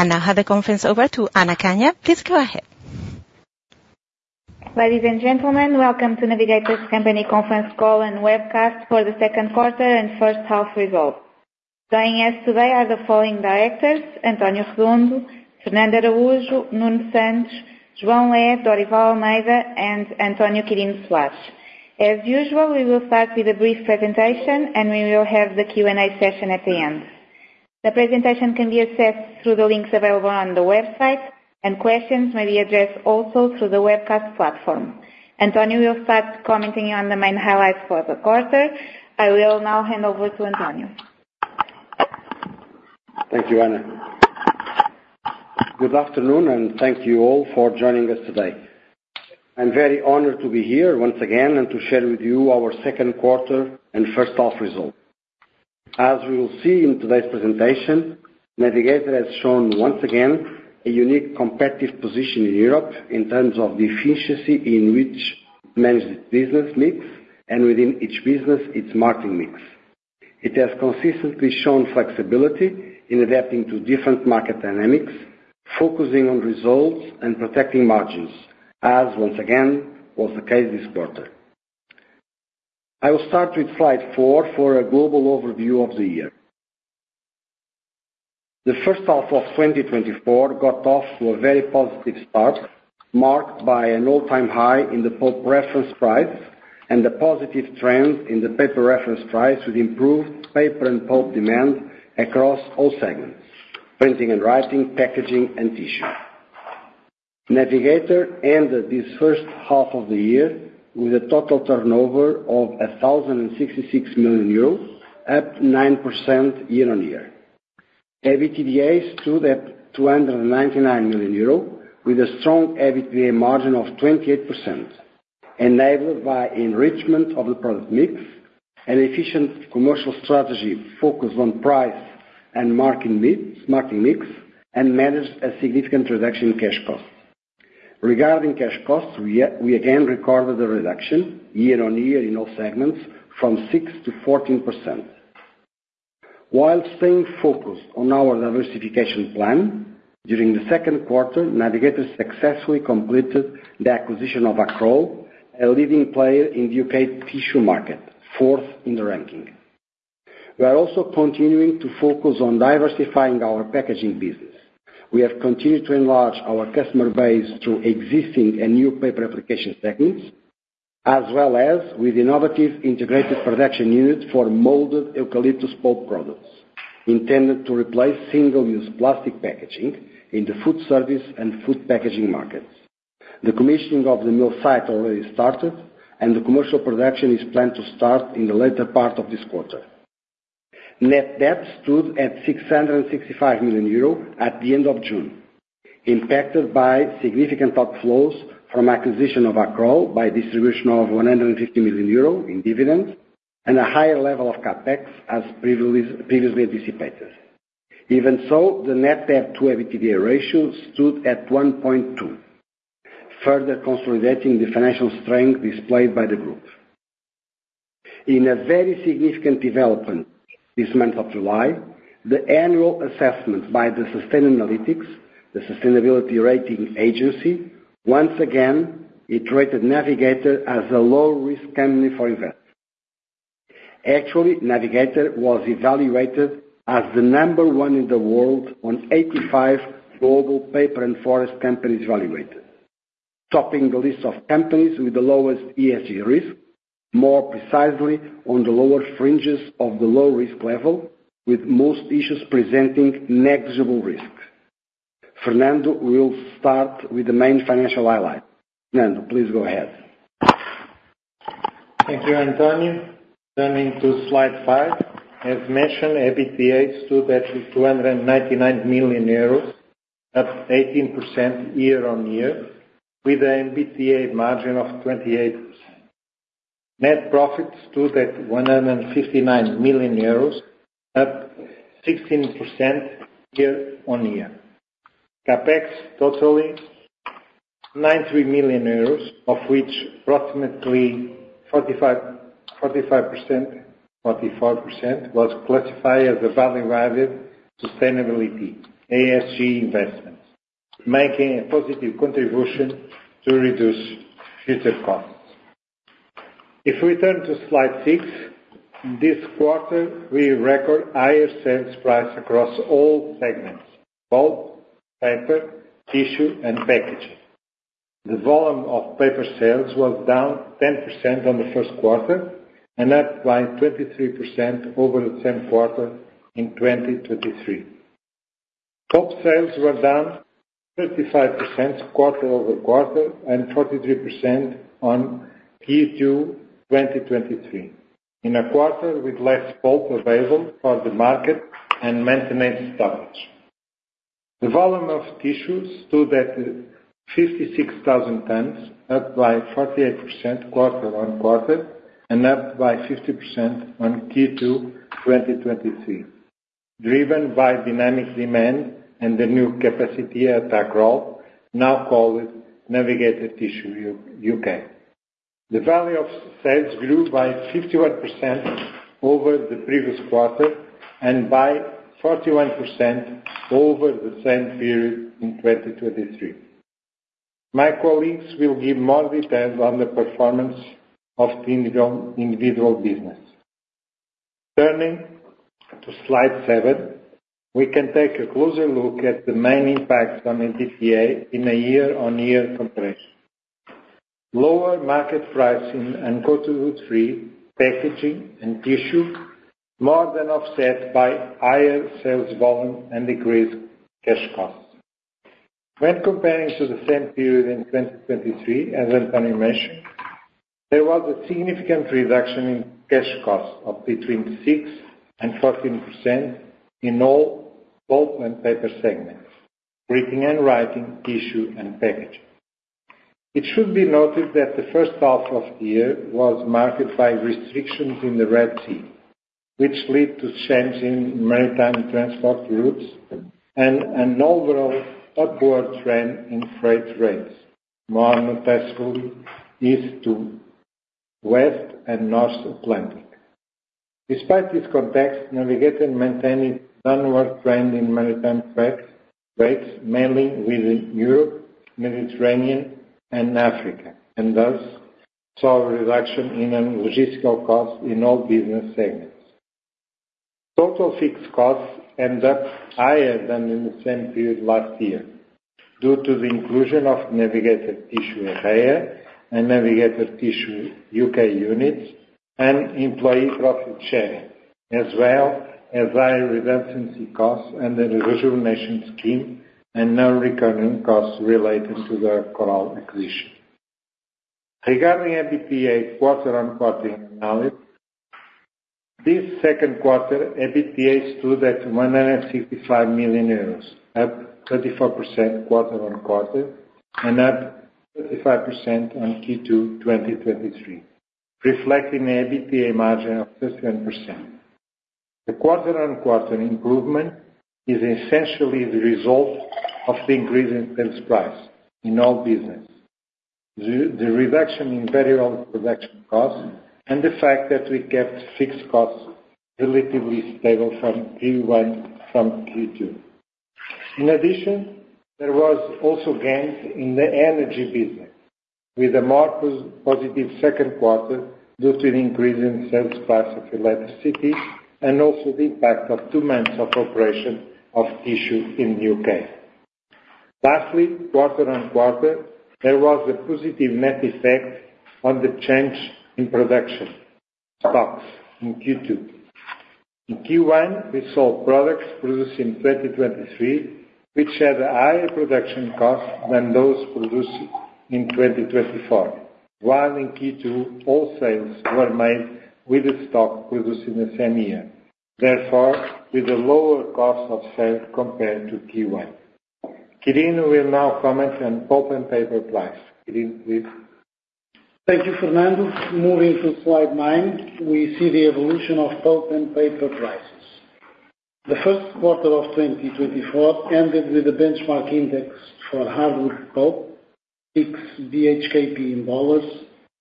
I now have the conference over to Ana Canha. Please go ahead. Ladies and gentlemen, welcome to Navigator Company conference call and webcast for the second quarter and first half results. Joining us today are the following directors: António Redondo, Fernando Araújo, Nuno Santos, João Lé, Dorival Almeida, and António Quirino Soares. As usual, we will start with a brief presentation, and we will have the Q&A session at the end. The presentation can be accessed through the links available on the website, and questions may be addressed also through the webcast platform. António will start commenting on the main highlights for the quarter. I will now hand over to António. Thank you, Ana. Good afternoon, and thank you all for joining us today. I'm very honored to be here once again and to share with you our second quarter and first half results. As we will see in today's presentation, Navigator has shown once again a unique competitive position in Europe in terms of the efficiency in which it manages its business mix and within each business its marketing mix. It has consistently shown flexibility in adapting to different market dynamics, focusing on results and protecting margins, as once again was the case this quarter. I will start with slide four for a global overview of the year. The first half of 2024 got off to a very positive start, marked by an all-time high in the pulp reference price and a positive trend in the paper reference price with improved paper and pulp demand across all segments: printing and writing, packaging, and tissue. Navigator ended this first half of the year with a total turnover of 1,066 million euros, up 9% year-on-year. EBITDA stood at 299 million euros, with a strong EBITDA margin of 28%, enabled by enrichment of the product mix, an efficient commercial strategy focused on price and marketing mix, and managed a significant reduction in cash costs. Regarding cash costs, we again recorded a reduction year-on-year in all segments from 6%-14%. While staying focused on our diversification plan, during the second quarter, Navigator successfully completed the acquisition of Accrol, a leading player in the UK tissue market, fourth in the ranking. We are also continuing to focus on diversifying our packaging business. We have continued to enlarge our customer base through existing and new paper application techniques, as well as with innovative integrated production units for molded eucalyptus pulp products intended to replace single-use plastic packaging in the food service and food packaging markets. The commissioning of the mill site already started, and the commercial production is planned to start in the later part of this quarter. Net debt stood at 665 million euro at the end of June, impacted by significant outflows from acquisition of Accrol by distribution of 150 million euro in dividends and a higher level of CapEx, as previously anticipated. Even so, the Net Debt-to-EBITDA ratio stood at 1.2, further consolidating the financial strength displayed by the group. In a very significant development this month of July, the annual assessment by the Sustainalytics, the sustainability rating agency, once again rated Navigator as a low-risk company for investment. Actually, Navigator was evaluated as the number one in the world on 85 global paper and forest companies evaluated, topping the list of companies with the lowest ESG risk, more precisely on the lower fringes of the low-risk level, with most issues presenting negligible risks. Fernando will start with the main financial highlight. Fernando, please go ahead. Thank you, António. Turning to slide 5, as mentioned, EBITDA stood at €299 million, up 18% year-on-year, with an EBITDA margin of 28%. Net profit stood at €159 million, up 16% year-on-year. CapEx totaled €93 million, of which approximately 45% was classified as a value-added sustainability ESG investment, making a positive contribution to reduce future costs. If we turn to slide 6, this quarter we recorded higher sales prices across all segments: pulp, paper, tissue, and packaging. The volume of paper sales was down 10% on the first quarter and up by 23% over the second quarter in 2023. Pulp sales were down 35% quarter-over-quarter and 43% on Q2 2023, in a quarter with less pulp available for the market and maintenance stoppage. The volume of tissue stood at 56,000 tons, up by 48% quarter-on-quarter and up by 50% on Q2 2023, driven by dynamic demand and the new capacity at Accrol, now called Navigator Tissue UK. The value of sales grew by 51% over the previous quarter and by 41% over the same period in 2023. My colleagues will give more details on the performance of the individual business. Turning to slide seven, we can take a closer look at the main impacts on EBITDA in a year-on-year comparison. Lower market pricing and cut-size uncoated woodfree packaging and tissue more than offset by higher sales volume and decreased cash costs. When comparing to the same period in 2023, as António mentioned, there was a significant reduction in cash costs of between 6% and 14% in all pulp and paper segments, printing and writing, tissue, and packaging. It should be noted that the first half of the year was marked by restrictions in the Red Sea, which led to changes in maritime transport routes and an overall upward trend in freight rates, more noticeably east to west and North Atlantic. Despite this context, Navigator maintained a downward trend in maritime freight rates, mainly within Europe, Mediterranean, and Africa, and thus saw a reduction in logistical costs in all business segments. Total fixed costs ended up higher than in the same period last year due to the inclusion of Navigator Tissue Ejea and Navigator Tissue UK units and employee profit sharing, as well as higher redundancy costs and the rejuvenation scheme and non-recurring costs related to the Accrol acquisition. Regarding EBITDA quarter-on-quarter analysis, this second quarter, EBITDA stood at €165 million, up 34% quarter-on-quarter and up 35% on Q2 2023, reflecting an EBITDA margin of 31%. The quarter-on-quarter improvement is essentially the result of the increase in sales price in all businesses, the reduction in variable production costs, and the fact that we kept fixed costs relatively stable from Q1 from Q2. In addition, there were also gains in the energy business, with a more positive second quarter due to the increase in sales price of electricity and also the impact of two months of operation of tissue in the UK. Lastly, quarter-on-quarter, there was a positive net effect on the change in production stocks in Q2. In Q1, we sold products produced in 2023, which had a higher production cost than those produced in 2024, while in Q2, all sales were made with the stock produced in the same year, therefore with a lower cost of sales compared to Q1. Quirino will now comment on pulp and paper prices. Quirino, please. Thank you, Fernando. Moving to slide nine, we see the evolution of pulp and paper prices. The first quarter of 2024 ended with a benchmark index for hardwood pulp, FOEX BHKP in dollars,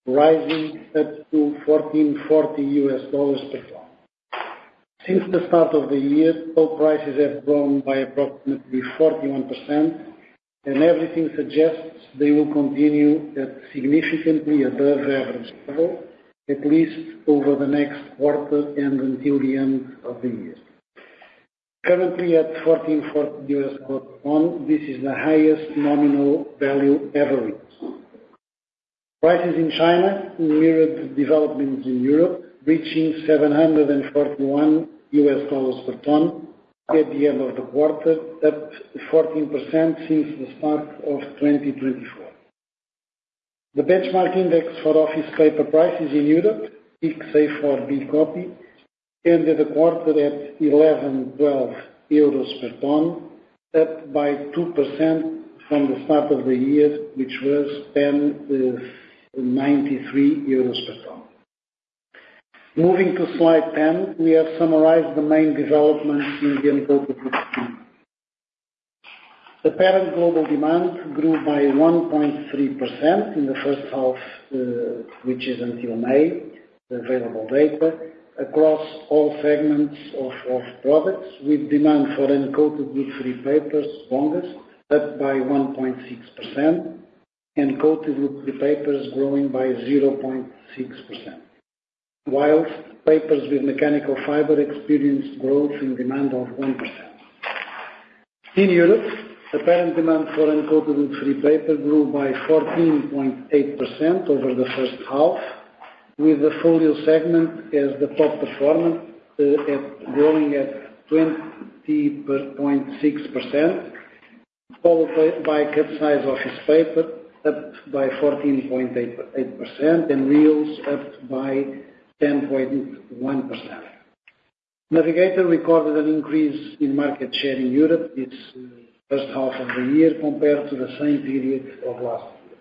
rising up to $1,440 per ton. Since the start of the year, pulp prices have grown by approximately 41%, and everything suggests they will continue at significantly above average level, at least over the next quarter and until the end of the year. Currently, at $1,440 per ton, this is the highest nominal value ever reached. Prices in China mirrored developments in Europe, reaching $741 per ton at the end of the quarter, up 14% since the start of 2024. The benchmark index for office paper prices in Europe, FOEX A4 B-copy, ended the quarter at €11-€12 per ton, up by 2% from the start of the year, which was then €93 per ton. Moving to slide 10, we have summarized the main developments in the apparent goods demand. The apparent global demand grew by 1.3% in the first half, which is until May, the available data, across all segments of products, with demand for uncoated woodfree papers lowest up by 1.6%, uncoated woodfree papers growing by 0.6%, while papers with mechanical fiber experienced growth in demand of 1%. In Europe, the apparent demand for uncoated woodfree paper grew by 14.8% over the first half, with the folio segment as the top performing, growing at 20.6%, followed by cut-size office paper up by 14.8%, and reels up by 10.1%. Navigator recorded an increase in market share in Europe this first half of the year compared to the same period of last year.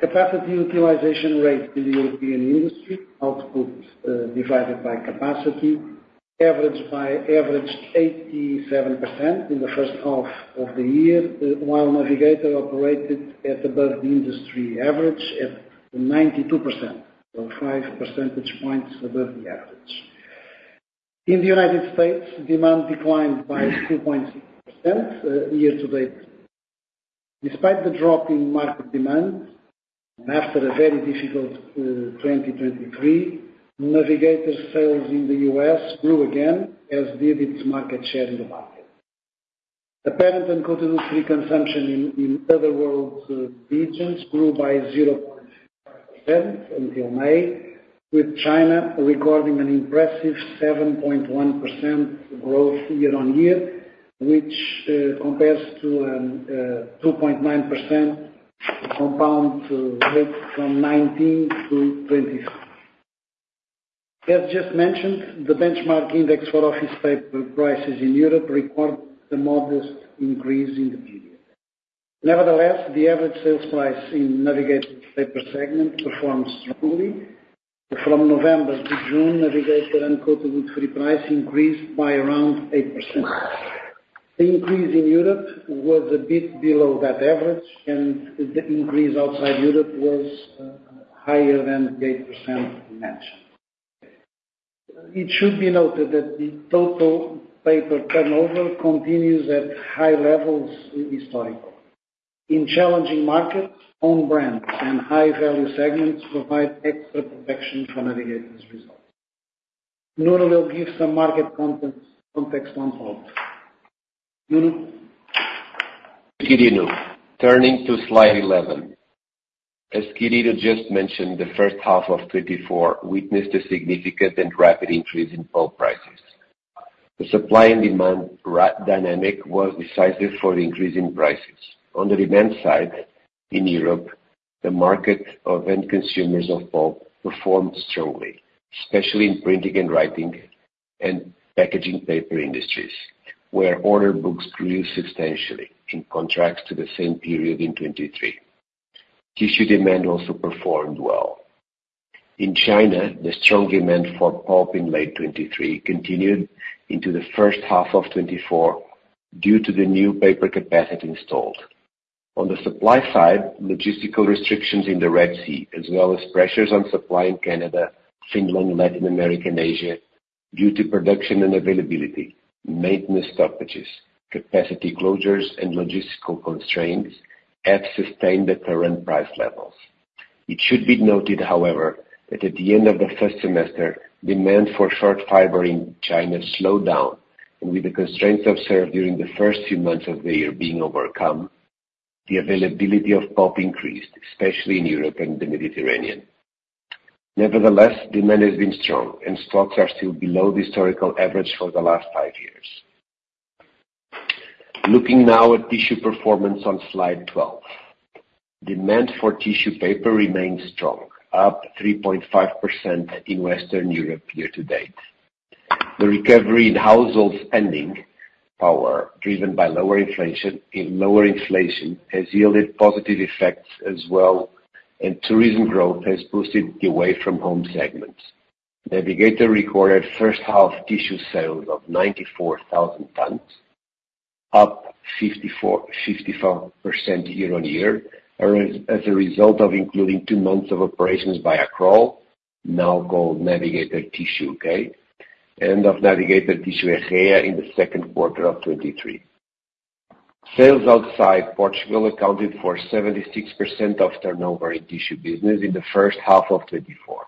Capacity utilization rate in the European industry, output divided by capacity, averaged an average 87% in the first half of the year, while Navigator operated at above the industry average at 92%, so 5 percentage points above the average. In the United States, demand declined by 2.6% year to date. Despite the drop in market demand, after a very difficult 2023, Navigator's sales in the U.S. grew again, as did its market share in the market. The uncoated woodfree consumption in other world regions grew by 0.5% until May, with China recording an impressive 7.1% growth year-on-year, which compares to a 2.9% compound rate from 2019 to 2023. As just mentioned, the benchmark index for office paper prices in Europe recorded a modest increase in the period. Nevertheless, the average sales price in Navigator's paper segment performed strongly. From November to June, Navigator's uncoated wood-free price increased by around 8%. The increase in Europe was a bit below that average, and the increase outside Europe was higher than the 8% mentioned. It should be noted that the total paper turnover continues at historically high levels. In challenging markets, own brands and high-value segments provide extra protection for Navigator's results. Nuno will give some market context on pulp. Nuno? Quirino, turning to slide 11. As Quirino just mentioned, the first half of 2024 witnessed a significant and rapid increase in pulp prices. The supply and demand dynamic was decisive for the increase in prices. On the demand side in Europe, the market of end consumers of pulp performed strongly, especially in printing and writing and packaging paper industries, where order books grew substantially in contrast to the same period in 2023. Tissue demand also performed well. In China, the strong demand for pulp in late 2023 continued into the first half of 2024 due to the new paper capacity installed. On the supply side, logistical restrictions in the Red Sea, as well as pressures on supply in Canada, Finland, Latin America, and Asia due to production and availability, maintenance stoppages, capacity closures, and logistical constraints have sustained the current price levels. It should be noted, however, that at the end of the first semester, demand for short fiber in China slowed down, and with the constraints observed during the first few months of the year being overcome, the availability of pulp increased, especially in Europe and the Mediterranean. Nevertheless, demand has been strong, and stocks are still below the historical average for the last 5 years. Looking now at tissue performance on slide 12, demand for tissue paper remains strong, up 3.5% in Western Europe year to date. The recovery in household spending power, driven by lower inflation, has yielded positive effects as well, and tourism growth has boosted away-from-home segments. Navigator recorded first-half tissue sales of 94,000 tons, up 54% year-on-year, as a result of including 2 months of operations by Accrol, now called Navigator Tissue UK, and of Navigator Tissue Ejea in the second quarter of 2023. Sales outside Portugal accounted for 76% of turnover in tissue business in the first half of 2024.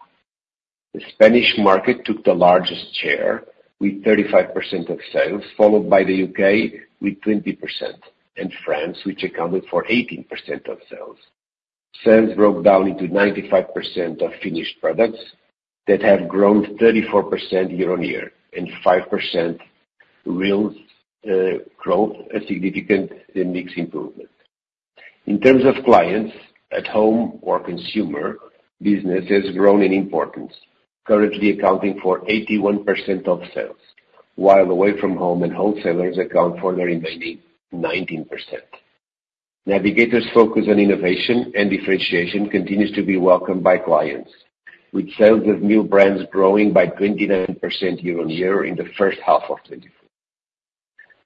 The Spanish market took the largest share with 35% of sales, followed by the UK with 20%, and France, which accounted for 18% of sales. Sales broke down into 95% of finished products that have grown 34% year-on-year, and 5% reels growth, a significant mixed improvement. In terms of clients, at-home or consumer business has grown in importance, currently accounting for 81% of sales, while away-from-home and wholesalers account for the remaining 19%. Navigator's focus on innovation and differentiation continues to be welcomed by clients, with sales of new brands growing by 29% year-on-year in the first half of 2024.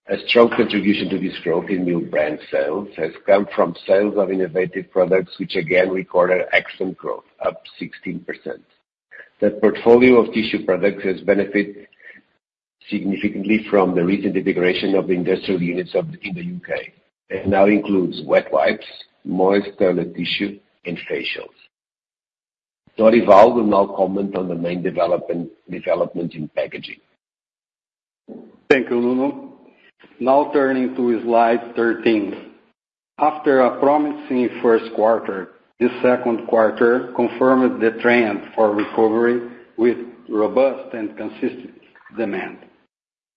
A strong contribution to this growth in new brand sales has come from sales of innovative products, which again recorded excellent growth, up 16%. The portfolio of tissue products has benefited significantly from the recent integration of industrial units in the UK and now includes wet wipes, moist toilet tissue, and facials. Dorival will now comment on the main development in packaging. Thank you, Nuno. Now turning to slide 13. After a promising first quarter, this second quarter confirms the trend for recovery with robust and consistent demand.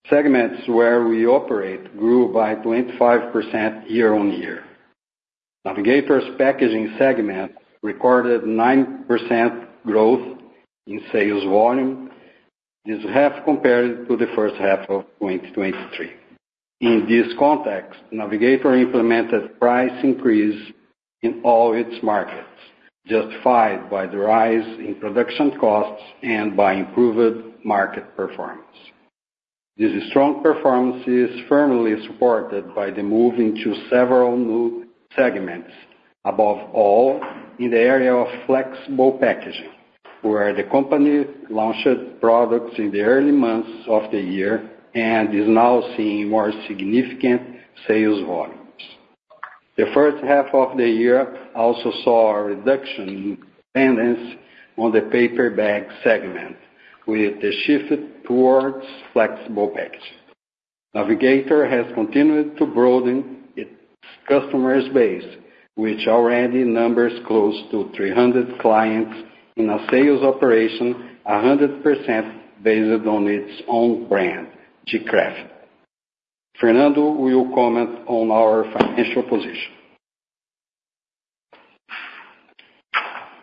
Segments where we operate grew by 25% year-on-year. Navigator's packaging segment recorded 9% growth in sales volume this half compared to the first half of 2023. In this context, Navigator implemented price increase in all its markets, justified by the rise in production costs and by improved market performance. This strong performance is firmly supported by the move into several new segments, above all in the area of flexible packaging, where the company launched products in the early months of the year and is now seeing more significant sales volumes. The first half of the year also saw a reduction in dependence on the paper bag segment, with the shift towards flexible packaging. Navigator has continued to broaden its customer base, which already numbers close to 300 clients in a sales operation 100% based on its own brand, g-Kraft. Fernando will comment on our financial position.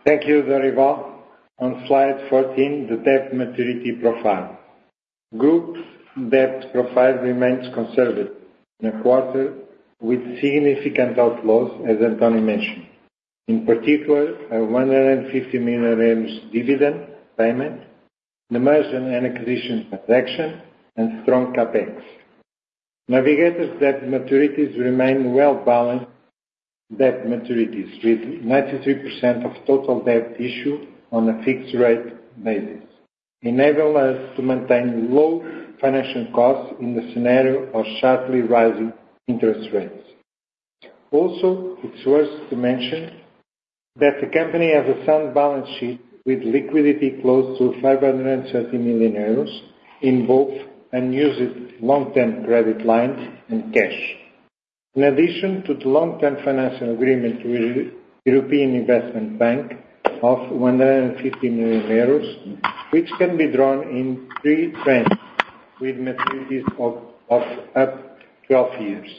Thank you, Dorival. On slide 14, the debt maturity profile. Group debt profile remains conservative in the quarter, with significant outflows, as António mentioned. In particular, a 150 million dividend payment, an emergent and acquisition transaction, and strong CapEx. Navigator's debt maturities remain well-balanced debt maturities, with 93% of total debt issued on a fixed rate basis, enabling us to maintain low financial costs in the scenario of sharply rising interest rates. Also, it's worth mentioning that the company has a sound balance sheet with liquidity close to 530 million euros in both unused long-term credit lines and cash, in addition to the long-term financial agreement with European Investment Bank of 150 million euros, which can be drawn in three tranches with maturities of up to 12 years.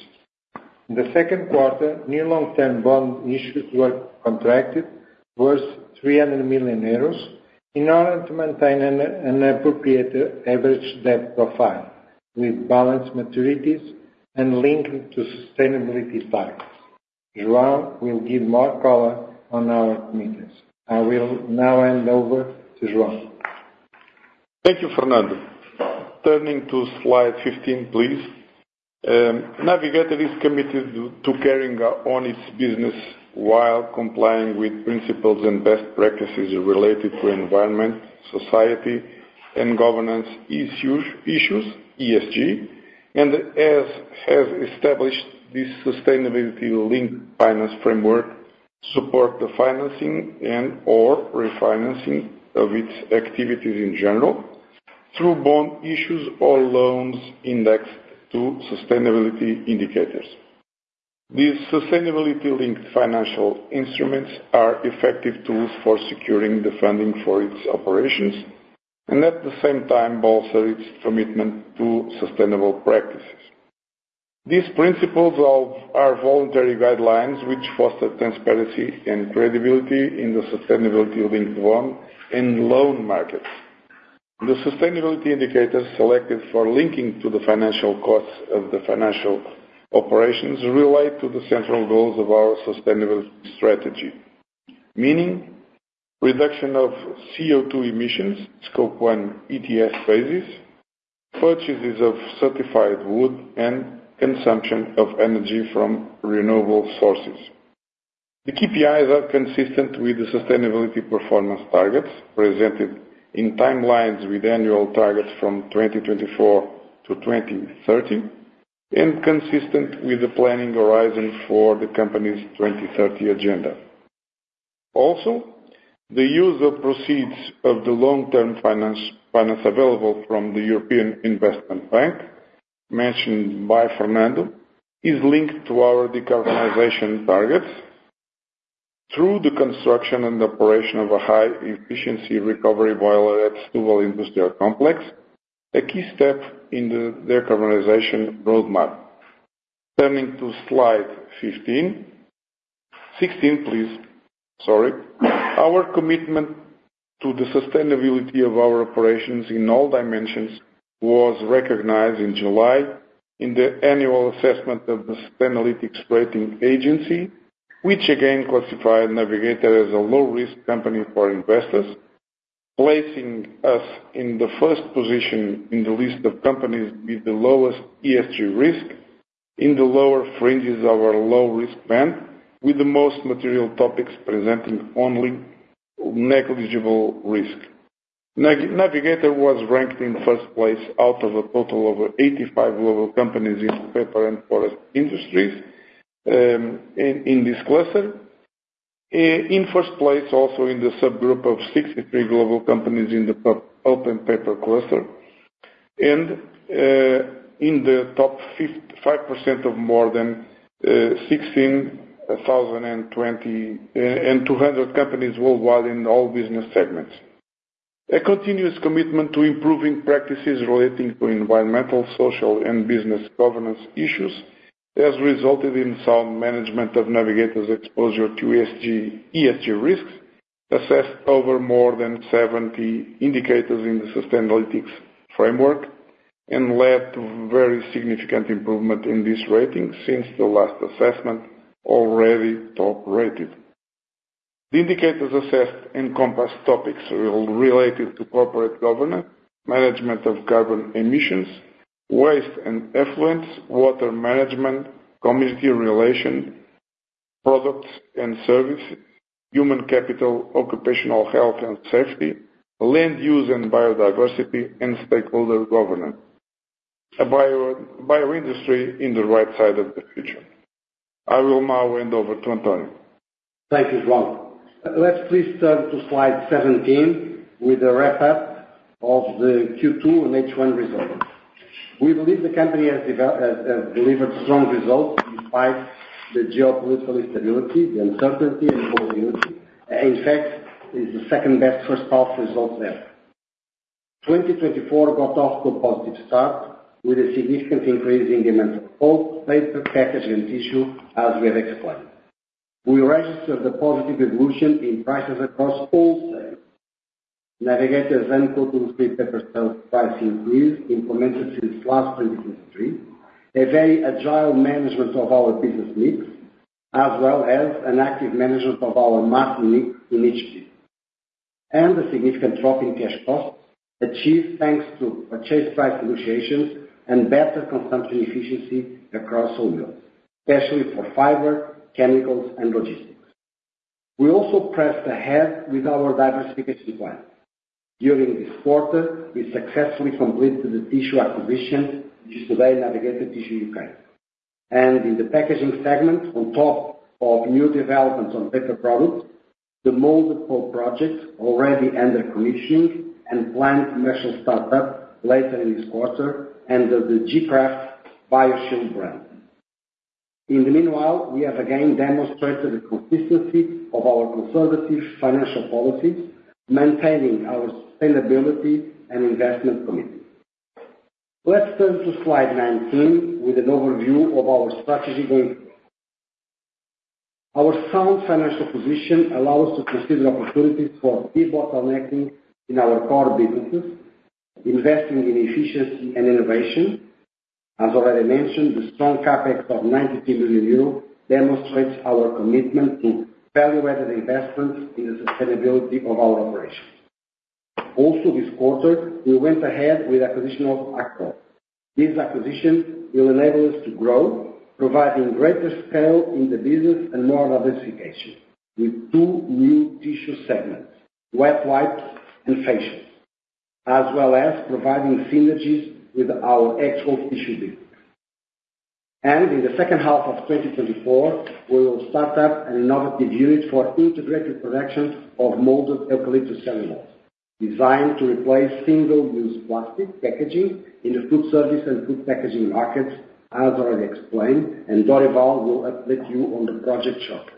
In the second quarter, new long-term bond issues were contracted worth 300 million euros in order to maintain an appropriate average debt profile with balanced maturities and linked to sustainability targets. João will give more color on our commitments. I will now hand over to João. Thank you, Fernando. Turning to slide 15, please. Navigator is committed to carrying on its business while complying with principles and best practices related to environment, society, and governance issues, ESG, and has established this sustainability-linked finance framework to support the financing and/or refinancing of its activities in general through bond issues or loans indexed to sustainability indicators. These sustainability-linked financial instruments are effective tools for securing the funding for its operations and, at the same time, bolster its commitment to sustainable practices. These principles are voluntary guidelines which foster transparency and credibility in the sustainability-linked bond and loan markets. The sustainability indicators selected for linking to the financial costs of the financial operations relate to the central goals of our sustainability strategy, meaning reduction of CO2 emissions, Scope 1 ETS phases, purchases of certified wood, and consumption of energy from renewable sources. The KPIs are consistent with the sustainability performance targets presented in timelines with annual targets from 2024 to 2030 and consistent with the planning horizon for the company's 2030 agenda. Also, the use of proceeds of the long-term finance available from the European Investment Bank, mentioned by Fernando, is linked to our decarbonization targets through the construction and operation of a high-efficiency recovery boiler at Setúbal Industrial Complex, a key step in the decarbonization roadmap. Turning to slide 16, please. Sorry. Our commitment to the sustainability of our operations in all dimensions was recognized in July in the annual assessment of the Sustainalytics Rating Agency, which again classified Navigator as a low-risk company for investors, placing us in the first position in the list of companies with the lowest ESG risk in the lower fringes of our low-risk band, with the most material topics presenting only negligible risk. Navigator was ranked in first place out of a total of 85 global companies in paper and forest industries in this cluster, in first place also in the subgroup of 63 global companies in the pulp and paper cluster, and in the top 5% of more than 16,200 companies worldwide in all business segments. A continuous commitment to improving practices relating to environmental, social, and governance issues has resulted in sound management of Navigator's exposure to ESG risks, assessed over more than 70 indicators in the Sustainalytics framework, and led to very significant improvement in this rating since the last assessment, already top-rated. The indicators assessed encompass topics related to corporate governance, management of carbon emissions, waste and effluents, water management, community relations, products and services, human capital, occupational health and safety, land use and biodiversity, and stakeholder governance. A bioindustry in the right side of the future. I will now hand over to António. Thank you, João. Let's please turn to slide 17 with a wrap-up of the Q2 and H1 results. We believe the company has delivered strong results despite the geopolitical instability, the uncertainty, and volatility. In fact, it's the second-best first-half result ever. 2024 got off to a positive start with a significant increase in demand for pulp, paper, packaging, and tissue, as we have explained. We registered a positive evolution in prices across all segments. Navigator's uncoated woodfree paper sales price increase" implemented since late 2023, a very agile management of our business mix, as well as an active management of our marketing mix initiative, and a significant drop in cash costs achieved thanks to purchase price negotiations and better consumption efficiency across all mills, especially for fiber, chemicals, and logistics. We also pressed ahead with our diversification plan. During this quarter, we successfully completed the tissue acquisition, which is today Navigator Tissue UK. In the packaging segment, on top of new developments on paper products, the Molded Pulp project, already under commissioning and planned commercial start-up later in this quarter, under the g-Kraft BioShield brand. In the meanwhile, we have again demonstrated the consistency of our conservative financial policies, maintaining our sustainability and investment commitments. Let's turn to slide 19 with an overview of our strategy going forward. Our sound financial position allows us to consider opportunities for key bottlenecks in our core businesses, investing in efficiency and innovation. As already mentioned, the strong CapEx of €93 million demonstrates our commitment to value-added investments in the sustainability of our operations. Also, this quarter, we went ahead with acquisition of Accrol. This acquisition will enable us to grow, providing greater scale in the business and more diversification with two new tissue segments, wet wipes and facials, as well as providing synergies with our actual tissue business. In the second half of 2024, we will start up an innovative unit for integrated production of Molded Eucalyptus Cellulose, designed to replace single-use plastic packaging in the food service and food packaging markets, as already explained, and Dorival will update you on the project shortly.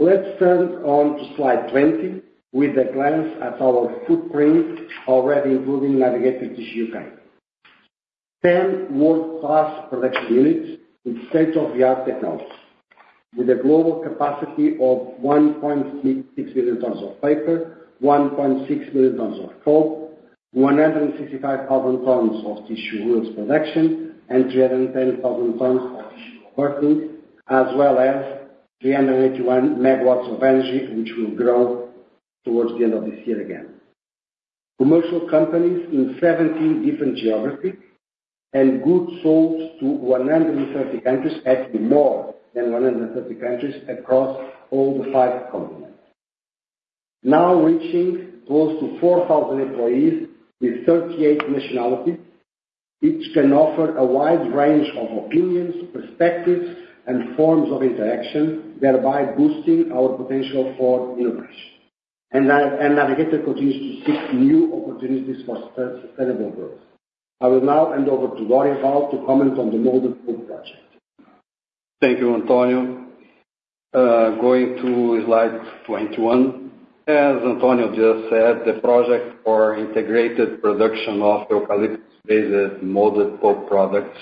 Let's turn on to slide 20 with a glance at our footprint, already including Navigator Tissue UK. 10 world-class production units with state-of-the-art technology, with a global capacity of 1.66 million tons of paper, 1.6 million tons of pulp, 165,000 tons of tissue reels production, and 310,000 tons of tissue working, as well as 381 megawatts of energy, which will grow towards the end of this year again. Commercial companies in 17 different geographies and goods sold to 130 countries, actually more than 130 countries across all the five continents. Now reaching close to 4,000 employees with 38 nationalities, each can offer a wide range of opinions, perspectives, and forms of interaction, thereby boosting our potential for innovation. Navigator continues to seek new opportunities for sustainable growth. I will now hand over to Dorival to comment on the Molded Pulp project. Thank you, António. Going to slide 21. As António just said, the project for integrated production of eucalyptus-based Molded Pulp products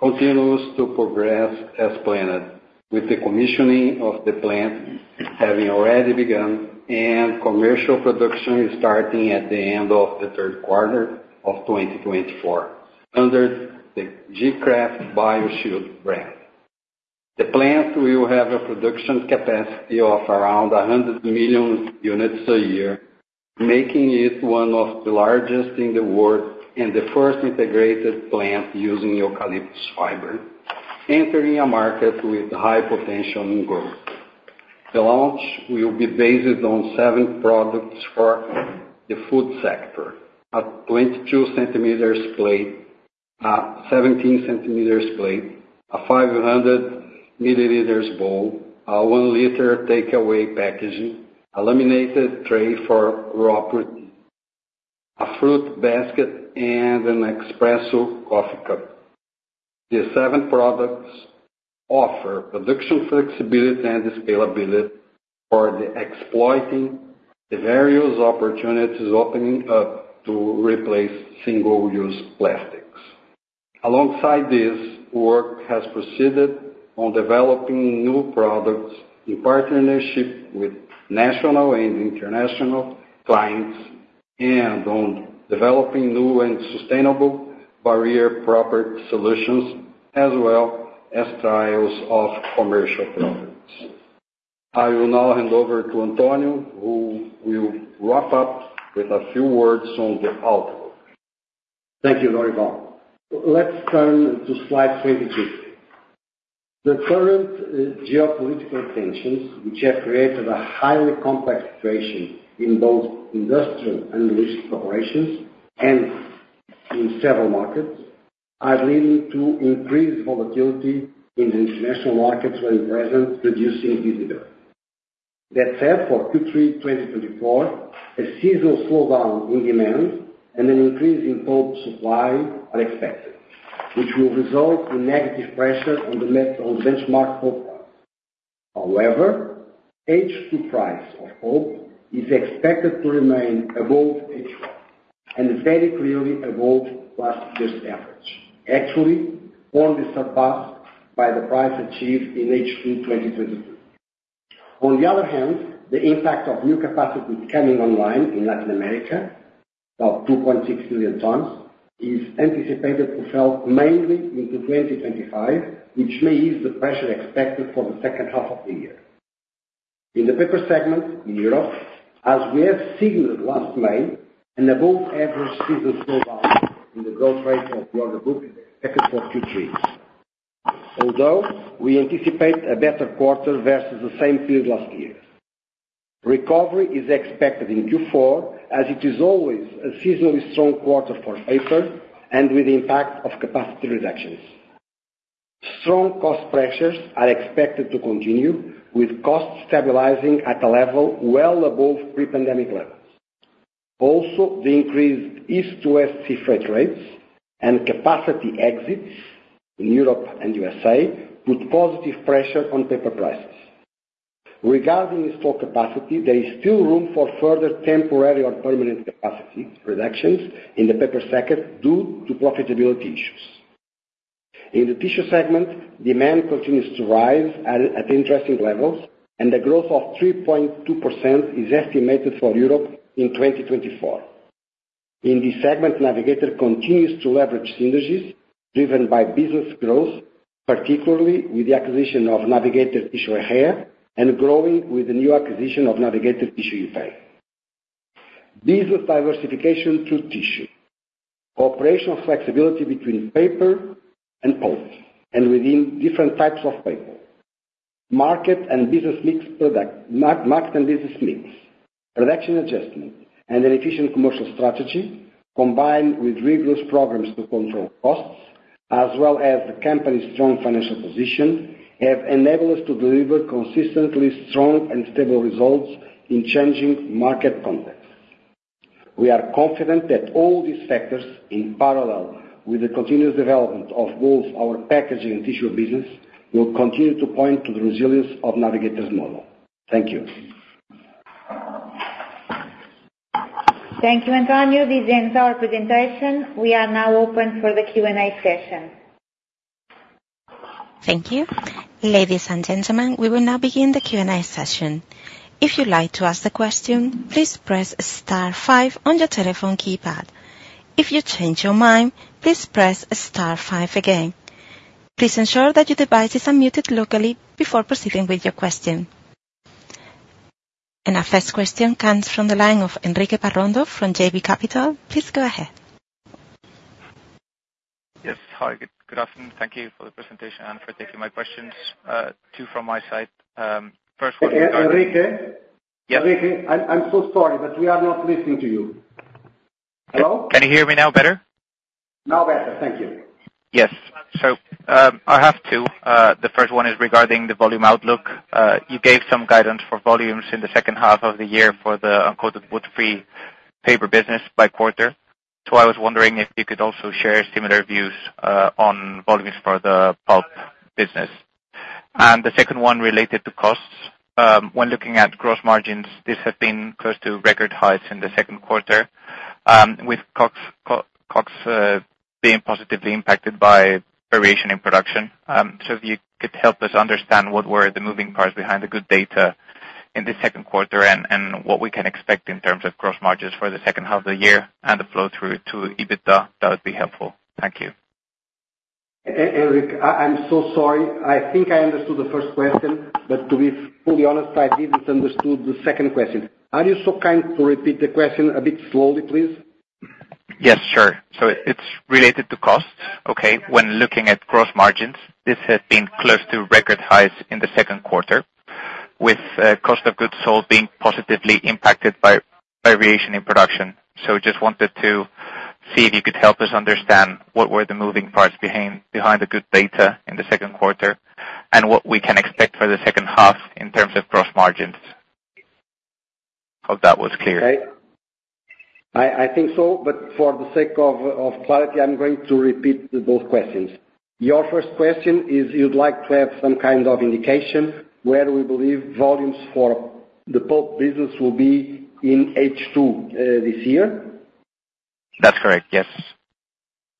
continues to progress as planned, with the commissioning of the plant having already begun and commercial production starting at the end of the third quarter of 2024 under the g-Kraft BioShield brand. The plant will have a production capacity of around 100 million units a year, making it one of the largest in the world and the first integrated plant using eucalyptus fiber, entering a market with high potential in growth. The launch will be based on seven products for the food sector: a 22-centimeter plate, a 17-centimeter plate, a 500-milliliter bowl, a 1-liter takeaway packaging, a laminated tray for raw protein, a fruit basket, and an espresso coffee cup. The seven products offer production flexibility and scalability for exploiting the various opportunities opening up to replace single-use plastics. Alongside this, work has proceeded on developing new products in partnership with national and international clients and on developing new and sustainable barrier-proof solutions, as well as trials of commercial products. I will now hand over to António, who will wrap up with a few words on the outlook. Thank you, Dorival. Let's turn to slide 22. The current geopolitical tensions, which have created a highly complex situation in both industrial and logistics operations and in several markets, are leading to increased volatility in the international markets where the present reducing visibility. That said, for Q3 2024, a seasonal slowdown in demand and an increase in pulp supply are expected, which will result in negative pressure on the benchmark pulp price. However, H2 price of pulp is expected to remain above H1 and very clearly above last year's average. Actually, only surpassed by the price achieved in H2 2022. On the other hand, the impact of new capacities coming online in Latin America, about 2.6 million tons, is anticipated to fall mainly into 2025, which may ease the pressure expected for the second half of the year. In the paper segment in Europe, as we have signaled last May, an above-average seasonal slowdown in the growth rate of the order book is expected for Q3, although we anticipate a better quarter versus the same period last year. Recovery is expected in Q4, as it is always a seasonally strong quarter for paper and with the impact of capacity reductions. Strong cost pressures are expected to continue, with costs stabilizing at a level well above pre-pandemic levels. Also, the increased East to West Sea freight rates and capacity exits in Europe and USA put positive pressure on paper prices. Regarding stock capacity, there is still room for further temporary or permanent capacity reductions in the paper sector due to profitability issues. In the tissue segment, demand continues to rise at interesting levels, and the growth of 3.2% is estimated for Europe in 2024. In this segment, Navigator continues to leverage synergies driven by business growth, particularly with the acquisition of Navigator Tissue Ejea and growing with the new acquisition of Navigator Tissue UK. Business diversification through tissue, operational flexibility between paper and pulp, and within different types of paper, market and business mix product, market and business mix, production adjustment, and an efficient commercial strategy combined with rigorous programs to control costs, as well as the company's strong financial position, have enabled us to deliver consistently strong and stable results in changing market contexts. We are confident that all these factors, in parallel with the continuous development of both our packaging and tissue business, will continue to point to the resilience of Navigator's model. Thank you. Thank you, António. This ends our presentation. We are now open for the Q&A session. Thank you. Ladies and gentlemen, we will now begin the Q&A session. If you'd like to ask a question, please press star five on your telephone keypad. If you change your mind, please press star five again. Please ensure that your device is unmuted locally before proceeding with your question. Our first question comes from the line of Enrique Barrondo from JB Capital. Please go ahead. Yes. Hi. Good afternoon. Thank you for the presentation and for taking my questions. Two from my side. First one. Hey, Enrique. Yes. Enrique, I'm so sorry, but we are not listening to you. Hello? Can you hear me now better? Now better. Thank you. Yes. So I have two. The first one is regarding the volume outlook. You gave some guidance for volumes in the second half of the year for the uncoated wood-free paper business by quarter. So I was wondering if you could also share similar views on volumes for the pulp business. And the second one related to costs. When looking at gross margins, this has been close to record highs in the second quarter, with costs being positively impacted by variation in production. So if you could help us understand what were the moving parts behind the good data in the second quarter and what we can expect in terms of gross margins for the second half of the year and the flow through to EBITDA, that would be helpful. Thank you. Enrique, I'm so sorry. I think I understood the first question, but to be fully honest, I didn't understand the second question. Are you so kind to repeat the question a bit slowly, please? Yes, sure. So it's related to costs. Okay. When looking at gross margins, this has been close to record highs in the second quarter, with cost of goods sold being positively impacted by variation in production. So just wanted to see if you could help us understand what were the moving parts behind the good data in the second quarter and what we can expect for the second half in terms of gross margins. Hope that was clear. Okay. I think so. But for the sake of clarity, I'm going to repeat both questions. Your first question is you'd like to have some kind of indication where we believe volumes for the pulp business will be in H2 this year? That's correct. Yes.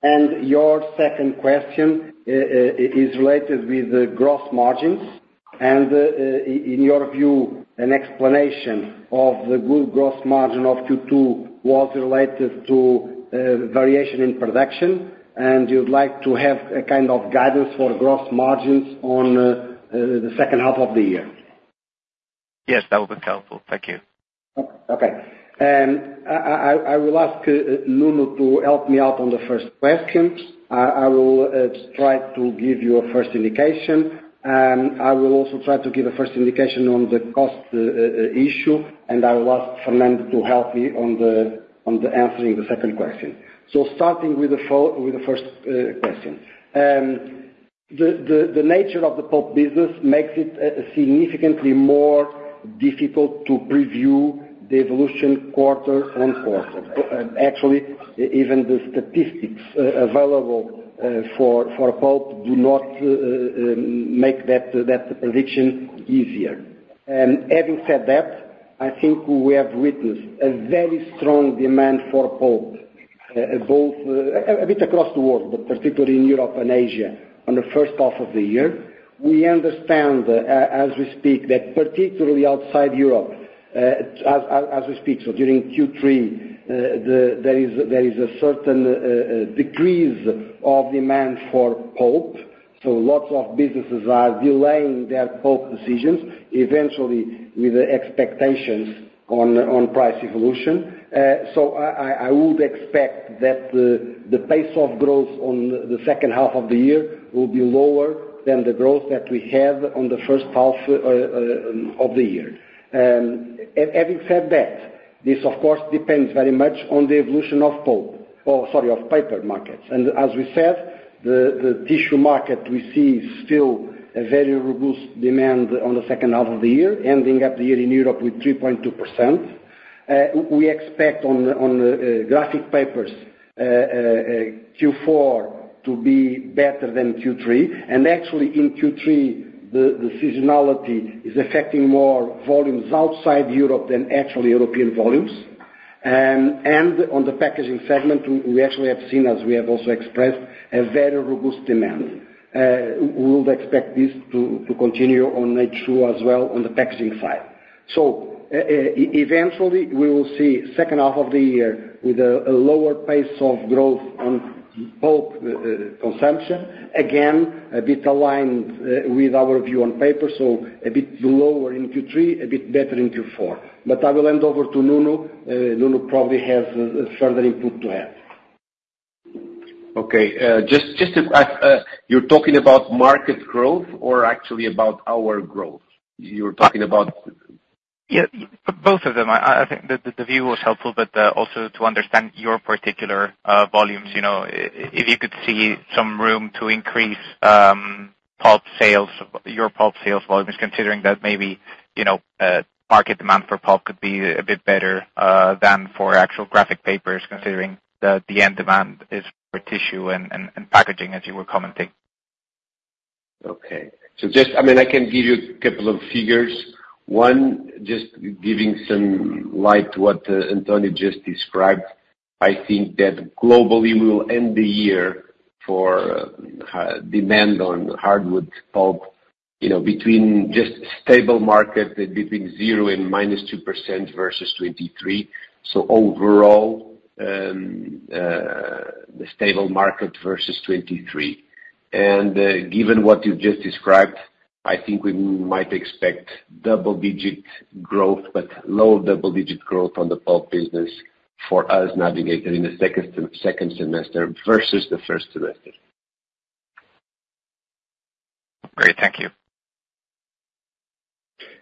Your second question is related with the gross margins. In your view, an explanation of the good gross margin of Q2 was related to variation in production, and you'd like to have a kind of guidance for gross margins on the second half of the year. Yes, that would be helpful. Thank you. Okay. I will ask Nuno to help me out on the first questions. I will try to give you a first indication. I will also try to give a first indication on the cost issue, and I will ask Fernando to help me on answering the second question. So starting with the first question, the nature of the pulp business makes it significantly more difficult to preview the evolution quarter on quarter. Actually, even the statistics available for pulp do not make that prediction easier. Having said that, I think we have witnessed a very strong demand for pulp, both a bit across the world, but particularly in Europe and Asia on the first half of the year. We understand, as we speak, that particularly outside Europe, as we speak, so during Q3, there is a certain decrease of demand for pulp. So lots of businesses are delaying their pulp decisions, eventually with expectations on price evolution. So I would expect that the pace of growth on the second half of the year will be lower than the growth that we have on the first half of the year. Having said that, this, of course, depends very much on the evolution of pulp or, sorry, of paper markets. And as we said, the tissue market, we see still a very robust demand on the second half of the year, ending up the year in Europe with 3.2%. We expect on graphic papers Q4 to be better than Q3. And actually, in Q3, the seasonality is affecting more volumes outside Europe than actually European volumes. And on the packaging segment, we actually have seen, as we have also expressed, a very robust demand. We would expect this to continue on H2 as well on the packaging side. So eventually, we will see the second half of the year with a lower pace of growth on pulp consumption, again, a bit aligned with our view on paper, so a bit lower in Q3, a bit better in Q4. But I will hand over to Nuno. Nuno probably has further input to add. Okay. Just to clarify, you're talking about market growth or actually about our growth? You were talking about. Yeah, both of them. I think the view was helpful, but also to understand your particular volumes, if you could see some room to increase pulp sales, your pulp sales volumes, considering that maybe market demand for pulp could be a bit better than for actual graphic papers, considering that the end demand is for tissue and packaging, as you were commenting. Okay. So just, I mean, I can give you a couple of figures. One, just giving some light to what António just described, I think that globally we will end the year for demand on hardwood pulp between just stable market, between 0% and -2% versus 2023. So overall, the stable market versus 2023. And given what you've just described, I think we might expect double-digit growth, but low double-digit growth on the pulp business for us Navigator in the second semester versus the first semester. Great. Thank you.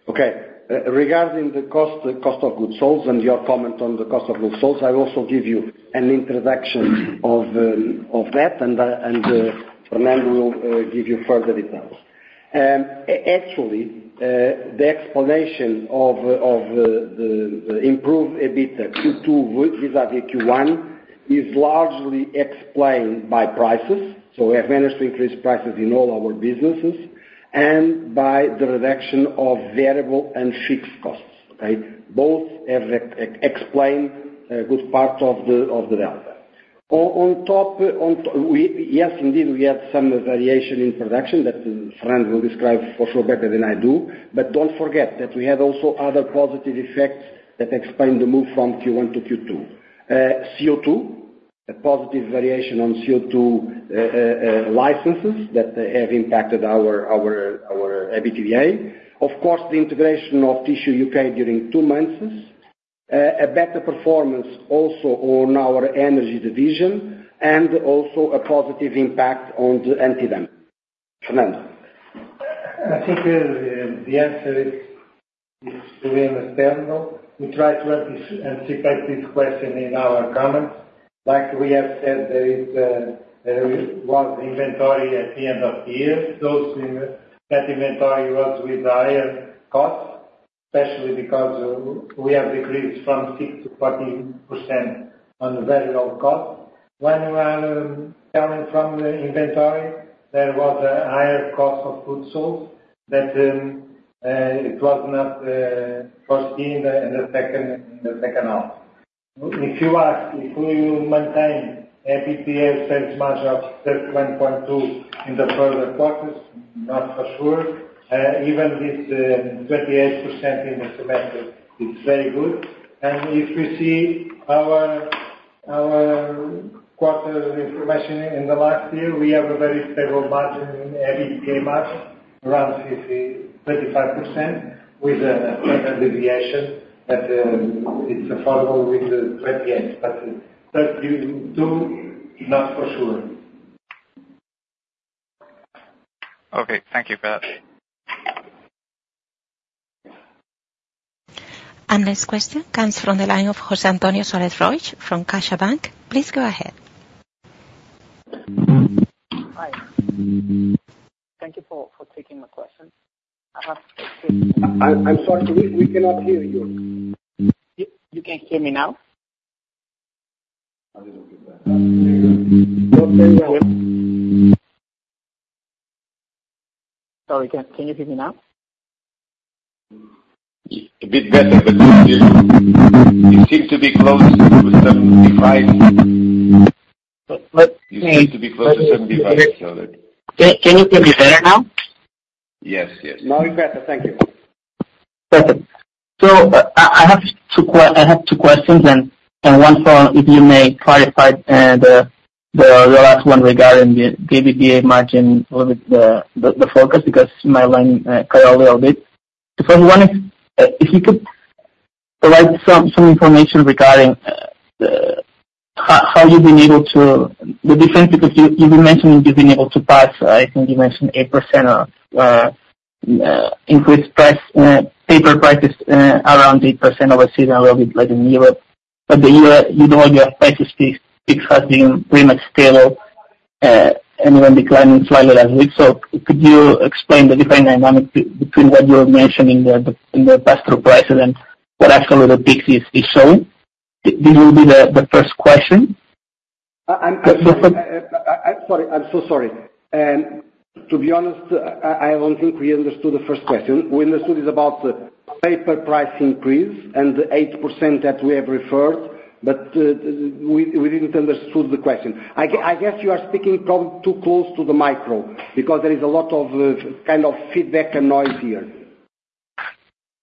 Okay. Regarding the cost of goods sold and your comment on the cost of goods sold, I will also give you an introduction of that, and Fernando will give you further details. Actually, the explanation of the improved EBITDA Q2 vis-à-vis Q1 is largely explained by prices. So we have managed to increase prices in all our businesses and by the reduction of variable and fixed costs. Okay? Both explain a good part of the delta. On top, yes, indeed, we had some variation in production that Fernando will describe for sure better than I do. But don't forget that we had also other positive effects that explained the move from Q1 to Q2. CO2, a positive variation on CO2 licenses that have impacted our EBITDA. Of course, the integration of Tissue UK during two months, a better performance also on our energy division, and also a positive impact on the EBITDA. Fernando. I think the answer is to Liam and Fernando. We try to anticipate this question in our comments. Like we have said, there was inventory at the end of the year. That inventory was with higher costs, especially because we have decreased from 6% to 14% on the variable cost. When you are selling from the inventory, there was a higher cost of goods sold that it was not foreseen in the second half. If you ask if we will maintain EBITDA sales margin of just 1.2% in the further quarters, not for sure, even with 28% in the semester, it's very good. If we see our quarter information in the last year, we have a very stable margin in EBITDA margin, around 25%, with a standard deviation that it's affordable with 28. But 32, not for sure. Okay. Thank you for that. This question comes from the line of José António Soares Roig from CaixaBank. Please go ahead. Hi. Thank you for taking my question. I have to. I'm sorry. We cannot hear you. You can hear me now? Sorry. Can you hear me now? A bit better, but it seemed to be close to 75. It seemed to be close to 75. Can you hear me better now? Yes, yes. Now it's better. Thank you. Perfect. So I have two questions, and one for, if you may clarify, the last one regarding the EBITDA margin with the focus because my line cut out a little bit. The first one is if you could provide some information regarding how you've been able to the difference because you've been mentioning you've been able to pass, I think you mentioned 8% increased paper prices around 8% over seasonal growth in Europe. But the year you know your purchase peak has been pretty much stable and even declining slightly last week. So could you explain the different dynamics between what you were mentioning in the past two quarters and what actually the peak is showing? This will be the first question. Sorry. I'm so sorry. To be honest, I don't think we understood the first question. We understood it's about the paper price increase and the 8% that we have referred, but we didn't understand the question. I guess you are speaking probably too close to the micro because there is a lot of kind of feedback and noise here.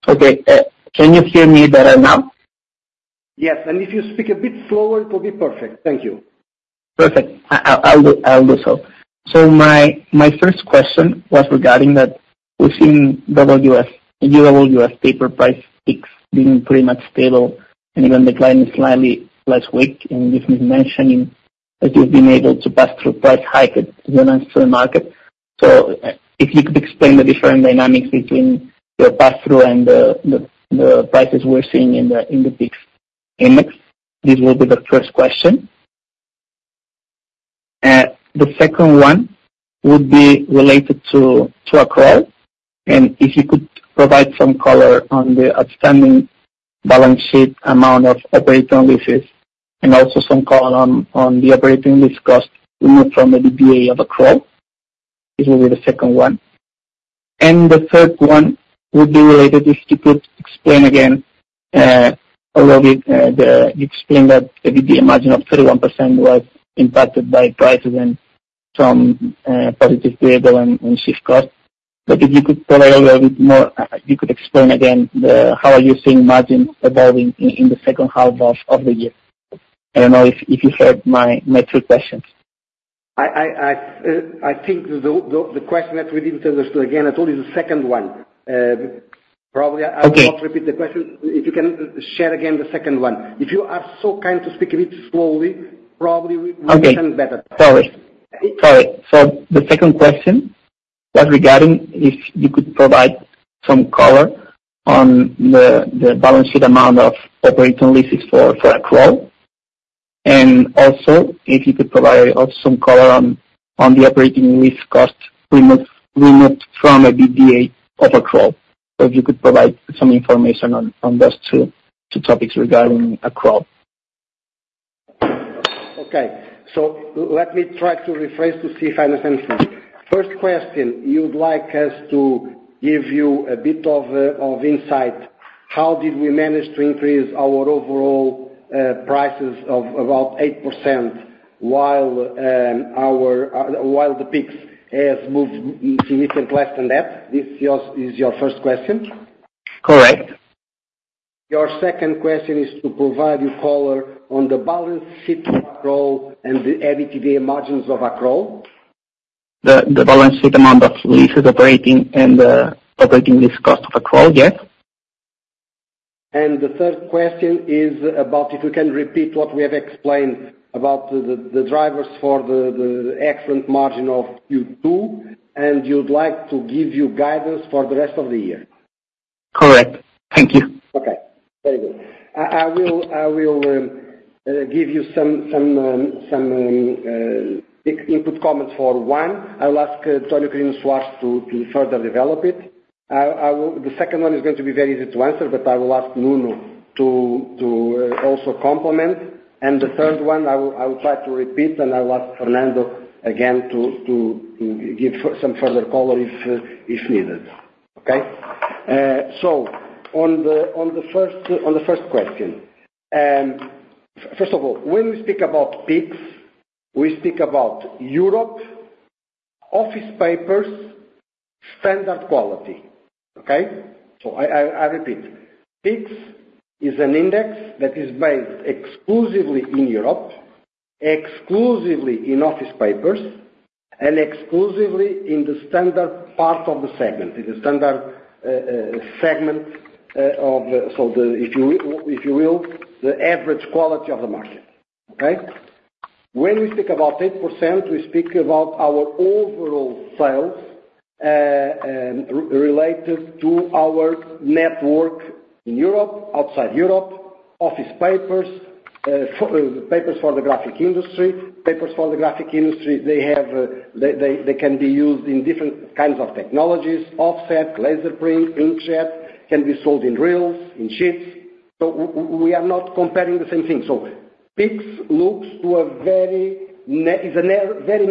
Okay. Can you hear me better now? Yes. And if you speak a bit slower, it will be perfect. Thank you. Perfect. I'll do so. So my first question was regarding that we've seen UWF paper price PIX being pretty much stable and even declining slightly last week. And you've been mentioning that you've been able to pass through price hikes as an answer to the market. So if you could explain the different dynamics between your pass-through and the prices we're seeing in the PIX index, this will be the first question. The second one would be related to Accrol. And if you could provide some color on the outstanding balance sheet amount of operating leases and also some color on the operating lease cost removed from the EBITDA of Accrol. This will be the second one. And the third one would be related if you could explain again, although you explained that the EBITDA margin of 31% was impacted by prices and some positive variable and shift cost. If you could provide a little bit more, you could explain again how are you seeing margins evolving in the second half of the year? I don't know if you heard my three questions. I think the question that we didn't understand again at all is the second one. Probably I will not repeat the question. If you can share again the second one? If you are so kind to speak a bit slowly, probably we will understand better. The second question was regarding if you could provide some color on the balance sheet amount of operating leases for Accrol. Also if you could provide some color on the operating lease cost removed from EBITDA of Accrol. If you could provide some information on those two topics regarding Accrol. Okay. So let me try to rephrase to see if I understand it correctly. First question, you'd like us to give you a bit of insight. How did we manage to increase our overall prices of about 8% while the PIX have moved significantly less than that? This is your first question. Correct. Your second question is to provide you color on the balance sheet of Accrol and the EBITDA margins of Accrol. The balance sheet amount of operating leases and the operating lease cost of accruals, yes. The third question is about if you can repeat what we have explained about the drivers for the excellent margin of Q2, and you'd like to give you guidance for the rest of the year. Correct. Thank you. Okay. Very good. I will give you some input comments for one. I will ask António Quirino Soares to further develop it. The second one is going to be very easy to answer, but I will ask Nuno to also comment. The third one, I will try to repeat, and I will ask Fernando again to give some further color if needed. Okay? So on the first question, first of all, when we speak about PIX, we speak about Europe, office papers, standard quality. Okay? So I repeat. PIX is an index that is based exclusively in Europe, exclusively in office papers, and exclusively in the standard part of the segment, in the standard segment of, if you will, the average quality of the market. Okay? When we speak about 8%, we speak about our overall sales related to our network in Europe, outside Europe, office papers, papers for the graphic industry. Papers for the graphic industry, they can be used in different kinds of technologies: offset, laser print, inkjet, can be sold in reels, in sheets. So we are not comparing the same thing. So it speaks to a very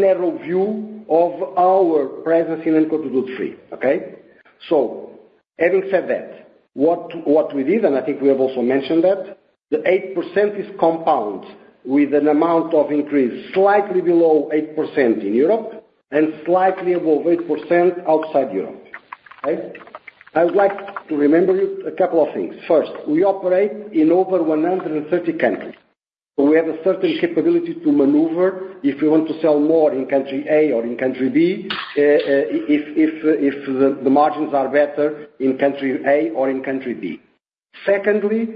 narrow view of our presence in India. Okay? So having said that, what we did, and I think we have also mentioned that, the 8% is composed of an amount of increase slightly below 8% in Europe and slightly above 8% outside Europe. Okay? I would like to remind you a couple of things. First, we operate in over 130 countries. So we have a certain capability to maneuver if we want to sell more in country A or in country B if the margins are better in country A or in country B. Secondly,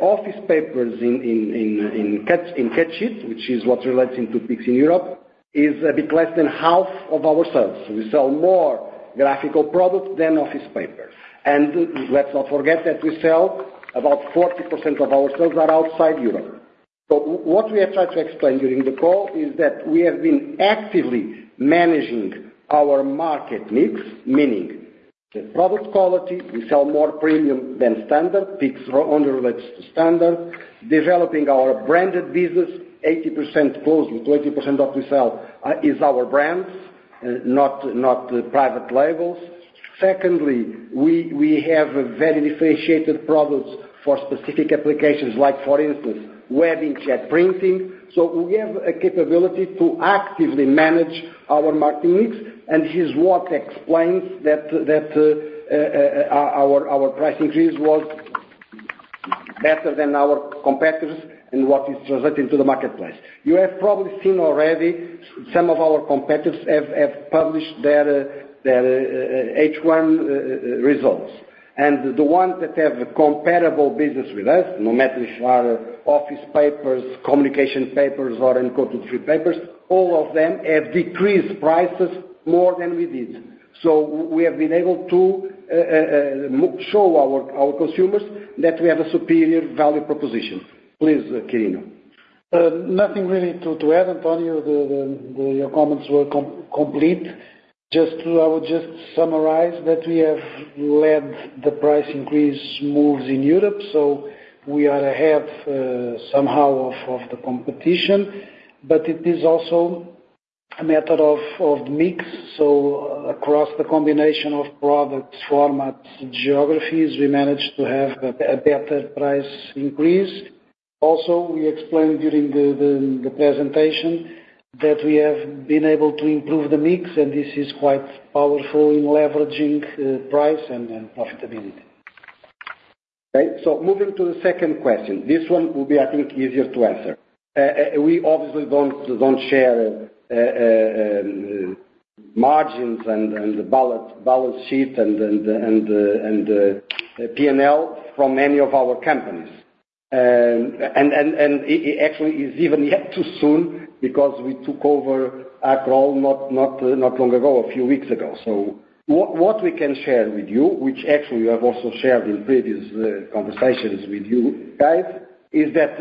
office papers in cut-size, which is what relates into PIX in Europe, is a bit less than half of our sales. So we sell more graphical products than office papers. And let's not forget that we sell about 40% of our sales are outside Europe. So what we have tried to explain during the call is that we have been actively managing our market mix, meaning the product quality. We sell more premium than standard. PIX only relates to standard. Developing our branded business, 80% close to 80% of what we sell is our brands, not private labels. Secondly, we have very differentiated products for specific applications like, for instance, web inkjet printing. So we have a capability to actively manage our marketing mix, and this is what explains that our price increase was better than our competitors and what is translating to the marketplace. You have probably seen already some of our competitors have published their H1 results. The ones that have comparable business with us, no matter if they are office papers, communication papers, or [2023] papers, all of them have decreased prices more than we did. So we have been able to show our consumers that we have a superior value proposition. Please, Quirino. Nothing really to add. António, your comments were complete. I would just summarize that we have led the price increase moves in Europe. So we are ahead somehow of the competition. But it is also a matter of mix. So across the combination of products, formats, geographies, we managed to have a better price increase. Also, we explained during the presentation that we have been able to improve the mix, and this is quite powerful in leveraging price and profitability. Okay. So moving to the second question. This one will be, I think, easier to answer. We obviously don't share margins and the balance sheet and P&L from any of our companies. And actually, it's even yet too soon because we took over Accrol not long ago, a few weeks ago. So what we can share with you, which actually I've also shared in previous conversations with you guys, is that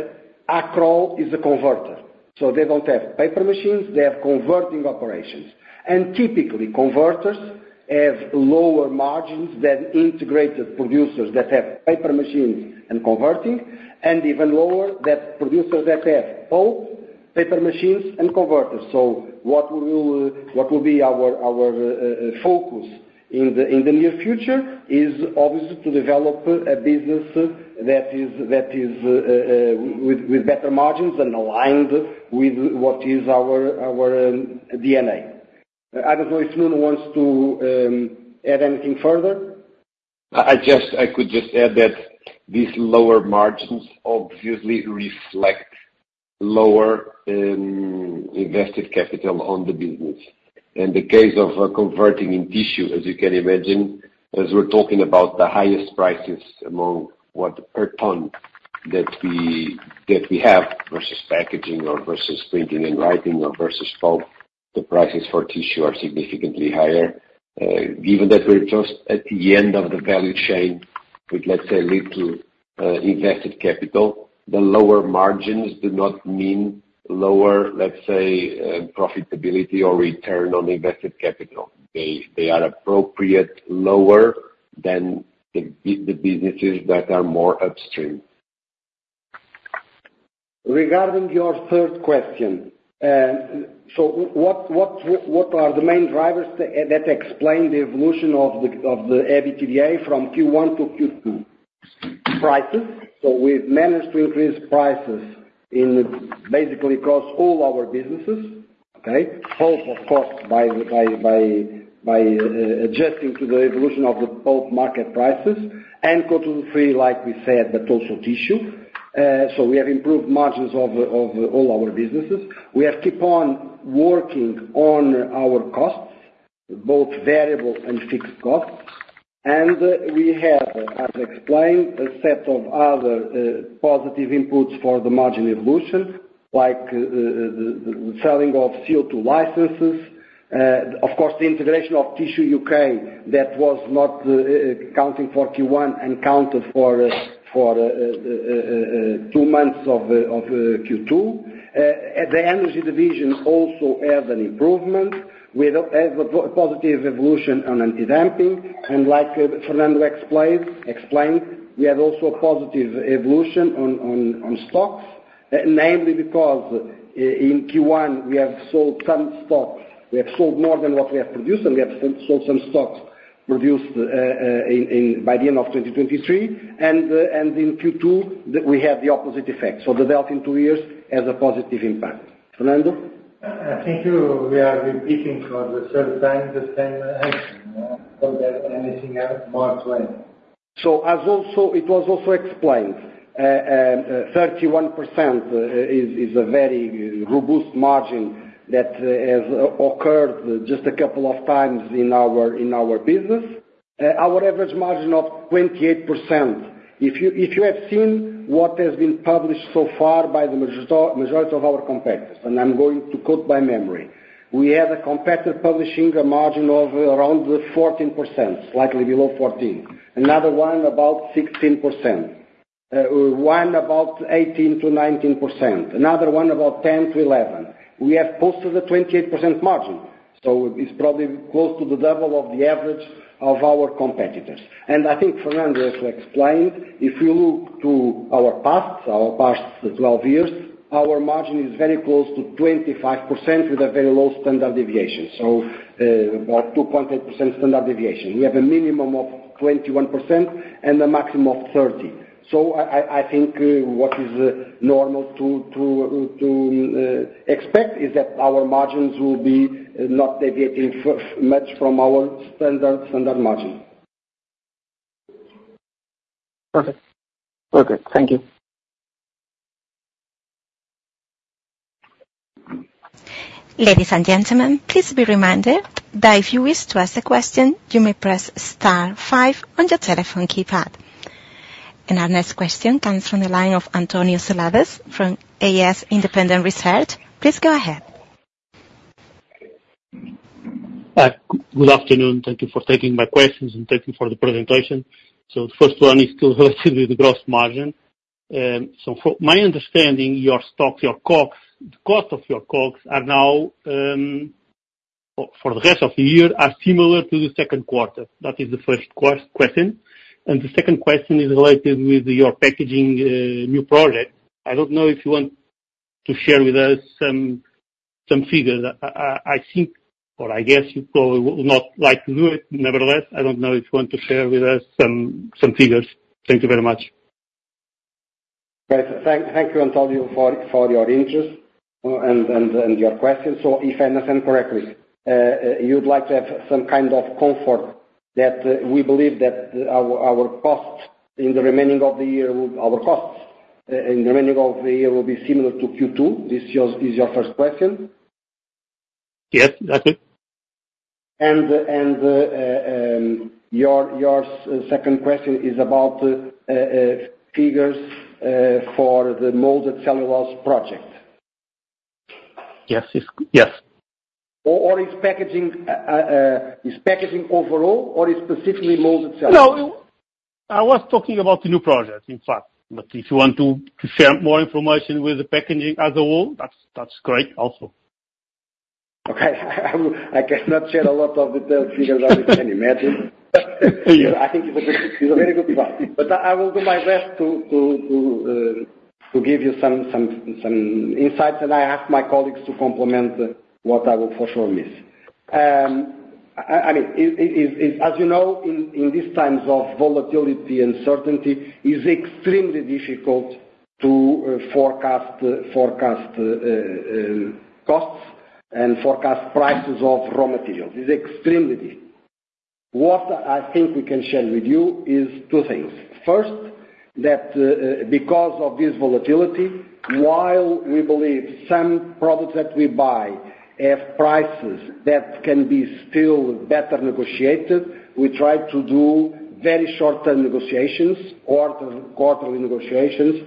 Accrol is a converter. So they don't have paper machines. They have converting operations. And typically, converters have lower margins than integrated producers that have paper machines and converting, and even lower than producers that have both paper machines and converters. So what will be our focus in the near future is obviously to develop a business that is with better margins and aligned with what is our DNA. I don't know if Nuno wants to add anything further. I could just add that these lower margins obviously reflect lower invested capital on the business. In the case of converting in Tissue, as you can imagine, as we're talking about the highest prices among what per ton that we have versus Packaging or versus Printing and Writing or versus Pulp, the prices for Tissue are significantly higher. Given that we're just at the end of the value chain with, let's say, little invested capital, the lower margins do not mean lower, let's say, profitability or return on invested capital. They are appropriately lower than the businesses that are more upstream. Regarding your third question, what are the main drivers that explain the evolution of the EBITDA from Q1 to Q2? Prices. We've managed to increase prices basically across all our businesses, both of costs by adjusting to the evolution of both market prices. EBITDA, like we said, but also tissue. We have improved margins of all our businesses. We have kept on working on our costs, both variable and fixed costs. We have, as explained, a set of other positive inputs for the margin evolution, like the selling of CO2 licenses. Of course, the integration of Navigator Tissue UK that was not counting for Q1 and counted for two months of Q2. The energy division also had an improvement. We have a positive evolution on anti-dumping. Like Fernando explained, we have also a positive evolution on stocks, namely because in Q1, we have sold some stocks. We have sold more than what we have produced, and we have sold some stocks produced by the end of 2023. In Q2, we had the opposite effect. So the delta in two years has a positive impact. Fernando? Thank you. We are repeating for the third time the same action. So there's anything else? So it was also explained. 31% is a very robust margin that has occurred just a couple of times in our business. Our average margin of 28%. If you have seen what has been published so far by the majority of our competitors, and I'm going to quote by memory, we had a competitor publishing a margin of around 14%, slightly below 14%. Another one about 16%. One about 18%-19%. Another one about 10%-11%. We have posted a 28% margin. So it's probably close to the double of the average of our competitors. And I think Fernando has explained, if we look to our past, our past 12 years, our margin is very close to 25% with a very low standard deviation. So about 2.8% standard deviation. We have a minimum of 21% and a maximum of 30%. I think what is normal to expect is that our margins will be not deviating much from our standard margin. Perfect. Okay. Thank you. Ladies and gentlemen, please be reminded that if you wish to ask a question, you may press star 5 on your telephone keypad. And our next question comes from the line of António Soares from AS Independent Research. Please go ahead. Good afternoon. Thank you for taking my questions and thank you for the presentation. The first one is related with the gross margin. From my understanding, your costs of your COGS are now, for the rest of the year, are similar to the second quarter. That is the first question. The second question is related with your packaging new project. I don't know if you want to share with us some figures. I think, or I guess you probably would not like to do it. Nevertheless, I don't know if you want to share with us some figures. Thank you very much. Great. Thank you, António, for your interest and your question. So if I understand correctly, you'd like to have some kind of comfort that we believe that our costs in the remaining of the year, our costs in the remaining of the year will be similar to Q2. This is your first question? Yes. That's it. Your second question is about figures for the Molded Cellulose project. Yes. Yes. Or is packaging overall, or is specifically Molded Cellulose? No. I was talking about the new project, in fact. But if you want to share more information with the packaging as a whole, that's great also. Okay. I cannot share a lot of detailed figures on it. Can you imagine? Yeah. I think it's a very good point. But I will do my best to give you some insights, and I ask my colleagues to complement what I will for sure miss. I mean, as you know, in these times of volatility and certainty, it is extremely difficult to forecast costs and forecast prices of raw materials. It is extremely difficult. What I think we can share with you is two things. First, that because of this volatility, while we believe some products that we buy have prices that can be still better negotiated, we try to do very short-term negotiations, quarterly negotiations,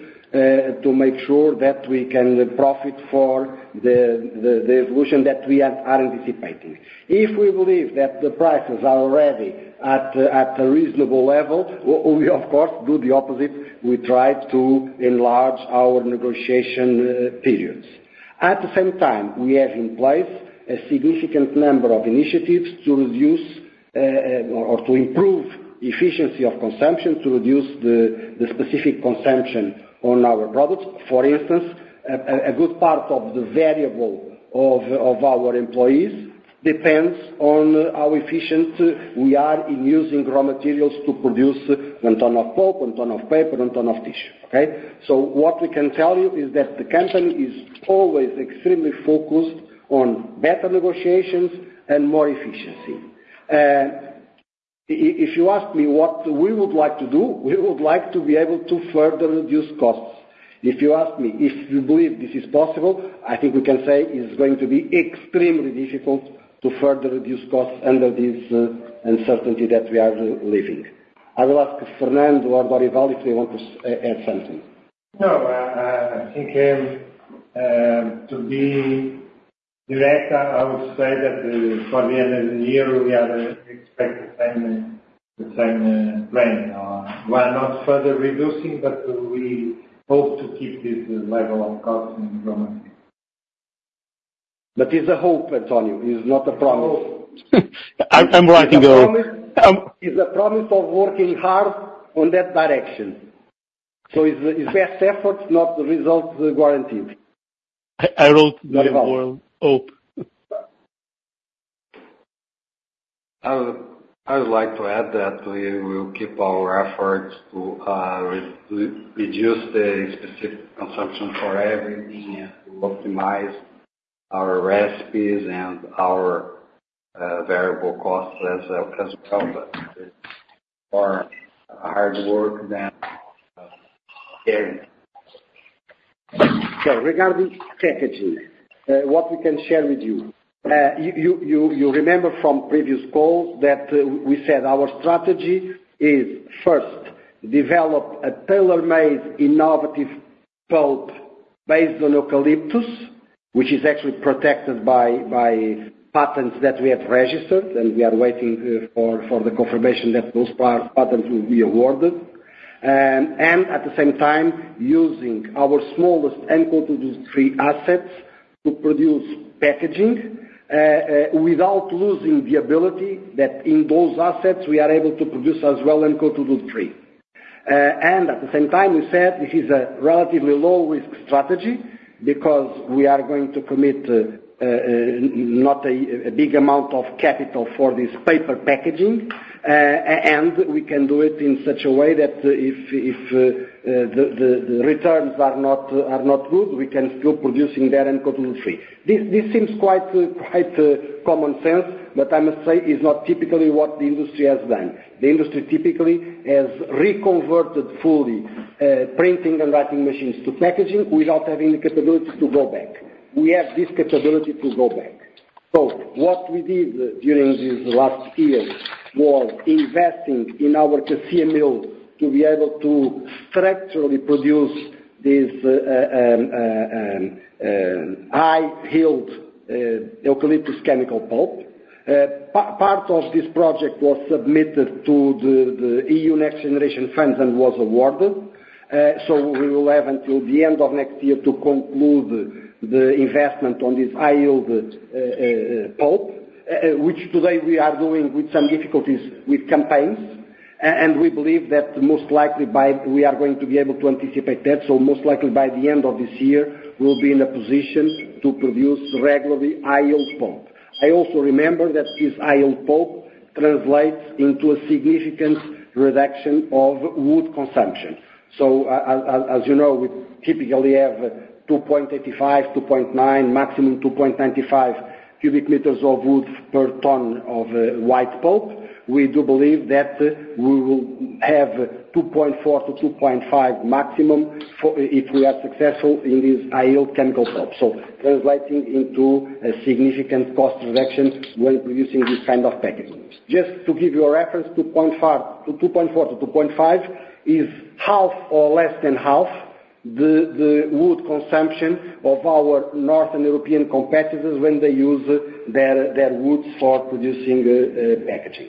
to make sure that we can profit for the evolution that we are anticipating. If we believe that the prices are already at a reasonable level, we, of course, do the opposite. We try to enlarge our negotiation periods. At the same time, we have in place a significant number of initiatives to reduce or to improve efficiency of consumption, to reduce the specific consumption on our products. For instance, a good part of the variable of our employees depends on how efficient we are in using raw materials to produce one ton of pulp, one ton of paper, one ton of tissue. Okay? So what we can tell you is that the company is always extremely focused on better negotiations and more efficiency. If you ask me what we would like to do, we would like to be able to further reduce costs. If you ask me if you believe this is possible, I think we can say it's going to be extremely difficult to further reduce costs under this uncertainty that we are living. I will ask Fernando or Dorival Almeida if they want to add something. No. I think to be direct, I would say that for the end of the year, we are expecting the same plan. We are not further reducing, but we hope to keep this level of costs in raw materials. But it's a hope, António. It's not a promise. I'm writing a hope. It's a promise of working hard on that direction. So it's best effort, not the result guaranteed. I wrote that word, hope. I would like to add that we will keep our efforts to reduce the specific consumption for everything and to optimize our recipes and our variable costs as well. But it's more hard work than scary. So regarding packaging, what we can share with you, you remember from previous calls that we said our strategy is first, develop a tailor-made innovative pulp based on eucalyptus, which is actually protected by patents that we have registered, and we are waiting for the confirmation that those patents will be awarded. And at the same time, using our smallest tissue assets to produce packaging without losing the ability that in those assets, we are able to produce as well tissue. And at the same time, we said this is a relatively low-risk strategy because we are going to commit not a big amount of capital for this paper packaging, and we can do it in such a way that if the returns are not good, we can still produce in their tissue. This seems quite common sense, but I must say it's not typically what the industry has done. The industry typically has reconverted fully printing and writing machines to packaging without having the capability to go back. We have this capability to go back. So what we did during these last years was investing in our Cacia Mill to be able to structurally produce this high-yield eucalyptus chemical pulp. Part of this project was submitted to the EU Next Generation Fund and was awarded. So we will have until the end of next year to conclude the investment on this high-yield pulp, which today we are doing with some difficulties with campaigns. And we believe that most likely we are going to be able to anticipate that. So most likely by the end of this year, we'll be in a position to produce regularly high-yield pulp. I also remember that this high-yield pulp translates into a significant reduction of wood consumption. So as you know, we typically have 2.85, 2.9, maximum 2.95 cubic meters of wood per ton of white pulp. We do believe that we will have 2.4-2.5 maximum if we are successful in this high-yield chemical pulp. So translating into a significant cost reduction when producing this kind of packaging. Just to give you a reference, 2.4-2.5 is half or less than half the wood consumption of our Northern European competitors when they use their woods for producing packaging.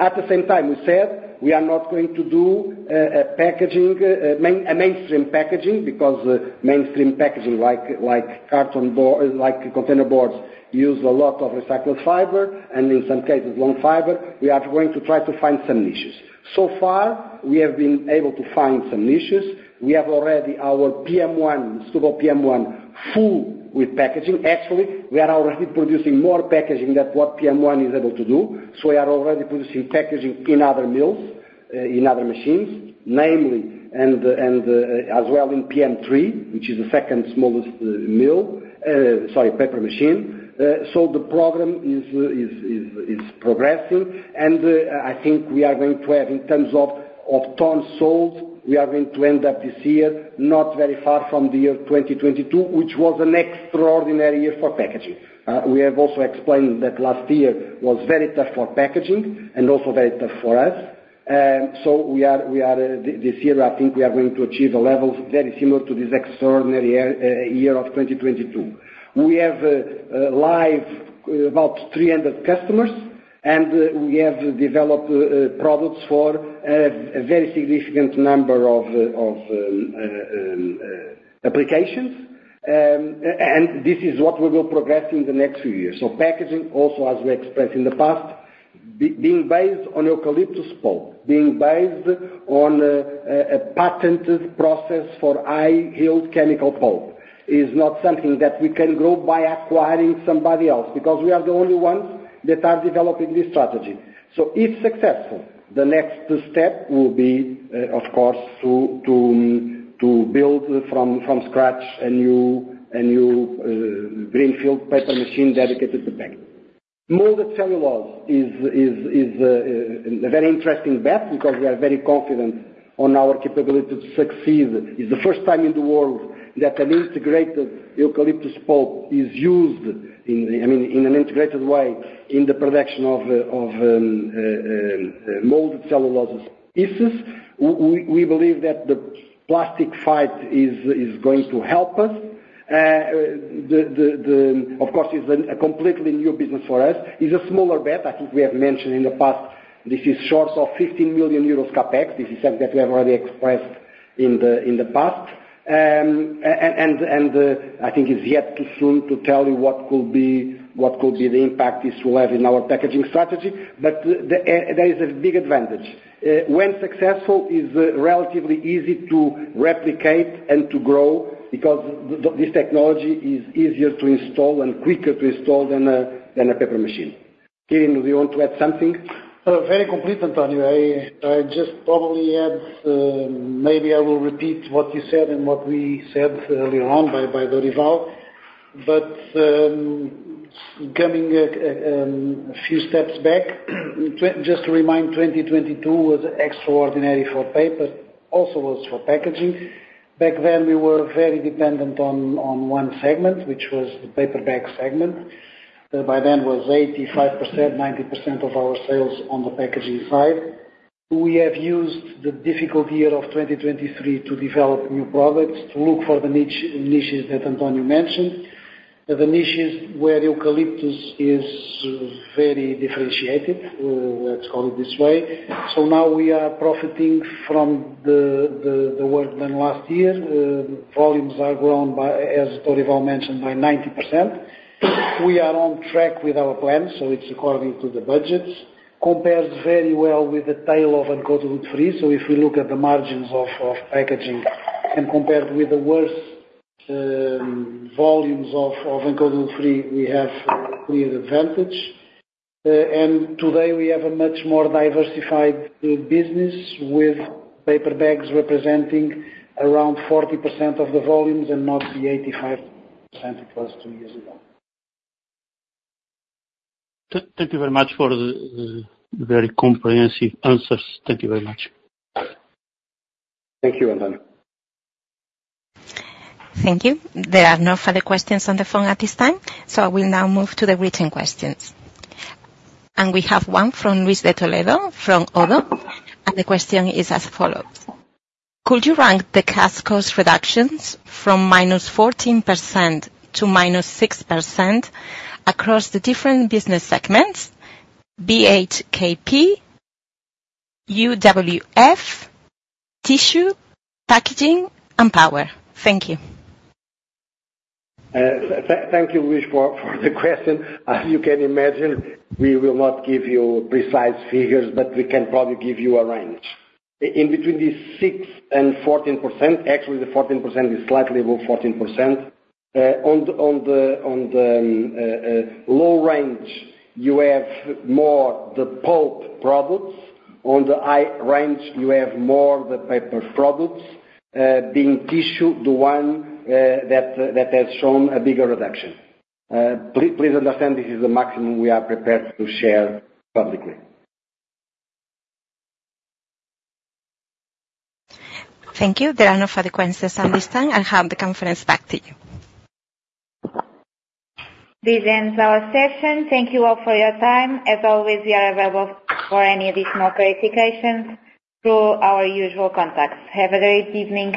At the same time, we said we are not going to do a mainstream packaging because mainstream packaging like container boards use a lot of recycled fiber and in some cases long fiber. We are going to try to find some niches. So far, we have been able to find some niches. We have already our PM1, Setúbal PM1, full with packaging. Actually, we are already producing more packaging than what PM1 is able to do. So we are already producing packaging in other mills, in other machines, namely, and as well in PM3, which is the second smallest mill, sorry, paper machine. So the program is progressing. And I think we are going to have, in terms of tons sold, we are going to end up this year not very far from the year 2022, which was an extraordinary year for packaging. We have also explained that last year was very tough for packaging and also very tough for us. So this year, I think we are going to achieve a level very similar to this extraordinary year of 2022. We have like about 300 customers, and we have developed products for a very significant number of applications. And this is what we will progress in the next few years. So packaging, also as we expressed in the past, being based on eucalyptus pulp, being based on a patented process for high-yield chemical pulp, is not something that we can grow by acquiring somebody else because we are the only ones that are developing this strategy. So if successful, the next step will be, of course, to build from scratch a new greenfield paper machine dedicated to packaging. Molded cellulose is a very interesting bet because we are very confident on our capability to succeed. It's the first time in the world that an integrated eucalyptus pulp is used, I mean, in an integrated way in the production of molded cellulose pieces. We believe that the plastic fight is going to help us. Of course, it's a completely new business for us. It's a smaller bet. I think we have mentioned in the past this is short of 15 million euros CapEx. This is something that we have already expressed in the past. I think it's yet too soon to tell you what could be the impact this will have in our packaging strategy. There is a big advantage. When successful, it's relatively easy to replicate and to grow because this technology is easier to install and quicker to install than a paper machine. Quirino, do you want to add something? Very complete, António. I just probably add maybe I will repeat what you said and what we said earlier on by Dorival. But coming a few steps back, just to remind, 2022 was extraordinary for paper, also was for packaging. Back then, we were very dependent on one segment, which was the paper bag segment. By then, it was 85%-90% of our sales on the packaging side. We have used the difficult year of 2023 to develop new products, to look for the niches that António mentioned. The niches where eucalyptus is very differentiated, let's call it this way. So now we are profiting from the work done last year. Volumes are grown, as Dorival mentioned, by 90%. We are on track with our plans, so it's according to the budgets. Compares very well with the tail of EBITDA. If we look at the margins of packaging and compared with the worst volumes of ENTIDA3, we have clear advantage. Today, we have a much more diversified business with paper bags representing around 40% of the volumes and not the 85% it was two years ago. Thank you very much for the very comprehensive answers. Thank you very much. Thank you, António. Thank you. There are no further questions on the phone at this time. I will now move to the written questions. We have one from Luis de Toledo from ODDO. The question is as follows. Could you rank the cost reductions from -14% to -6% across the different business segments? BHKP, UWF, tissue, packaging, and power. Thank you. Thank you, Luis, for the question. As you can imagine, we will not give you precise figures, but we can probably give you a range. In between the 6% and 14%, actually, the 14% is slightly above 14%. On the low range, you have more the pulp products. On the high range, you have more the paper products. Being tissue, the one that has shown a bigger reduction. Please understand this is the maximum we are prepared to share publicly. Thank you. There are no further questions at this time. I'll hand the conference back to you. This ends our session. Thank you all for your time. As always, we are available for any additional clarifications through our usual contacts. Have a great evening.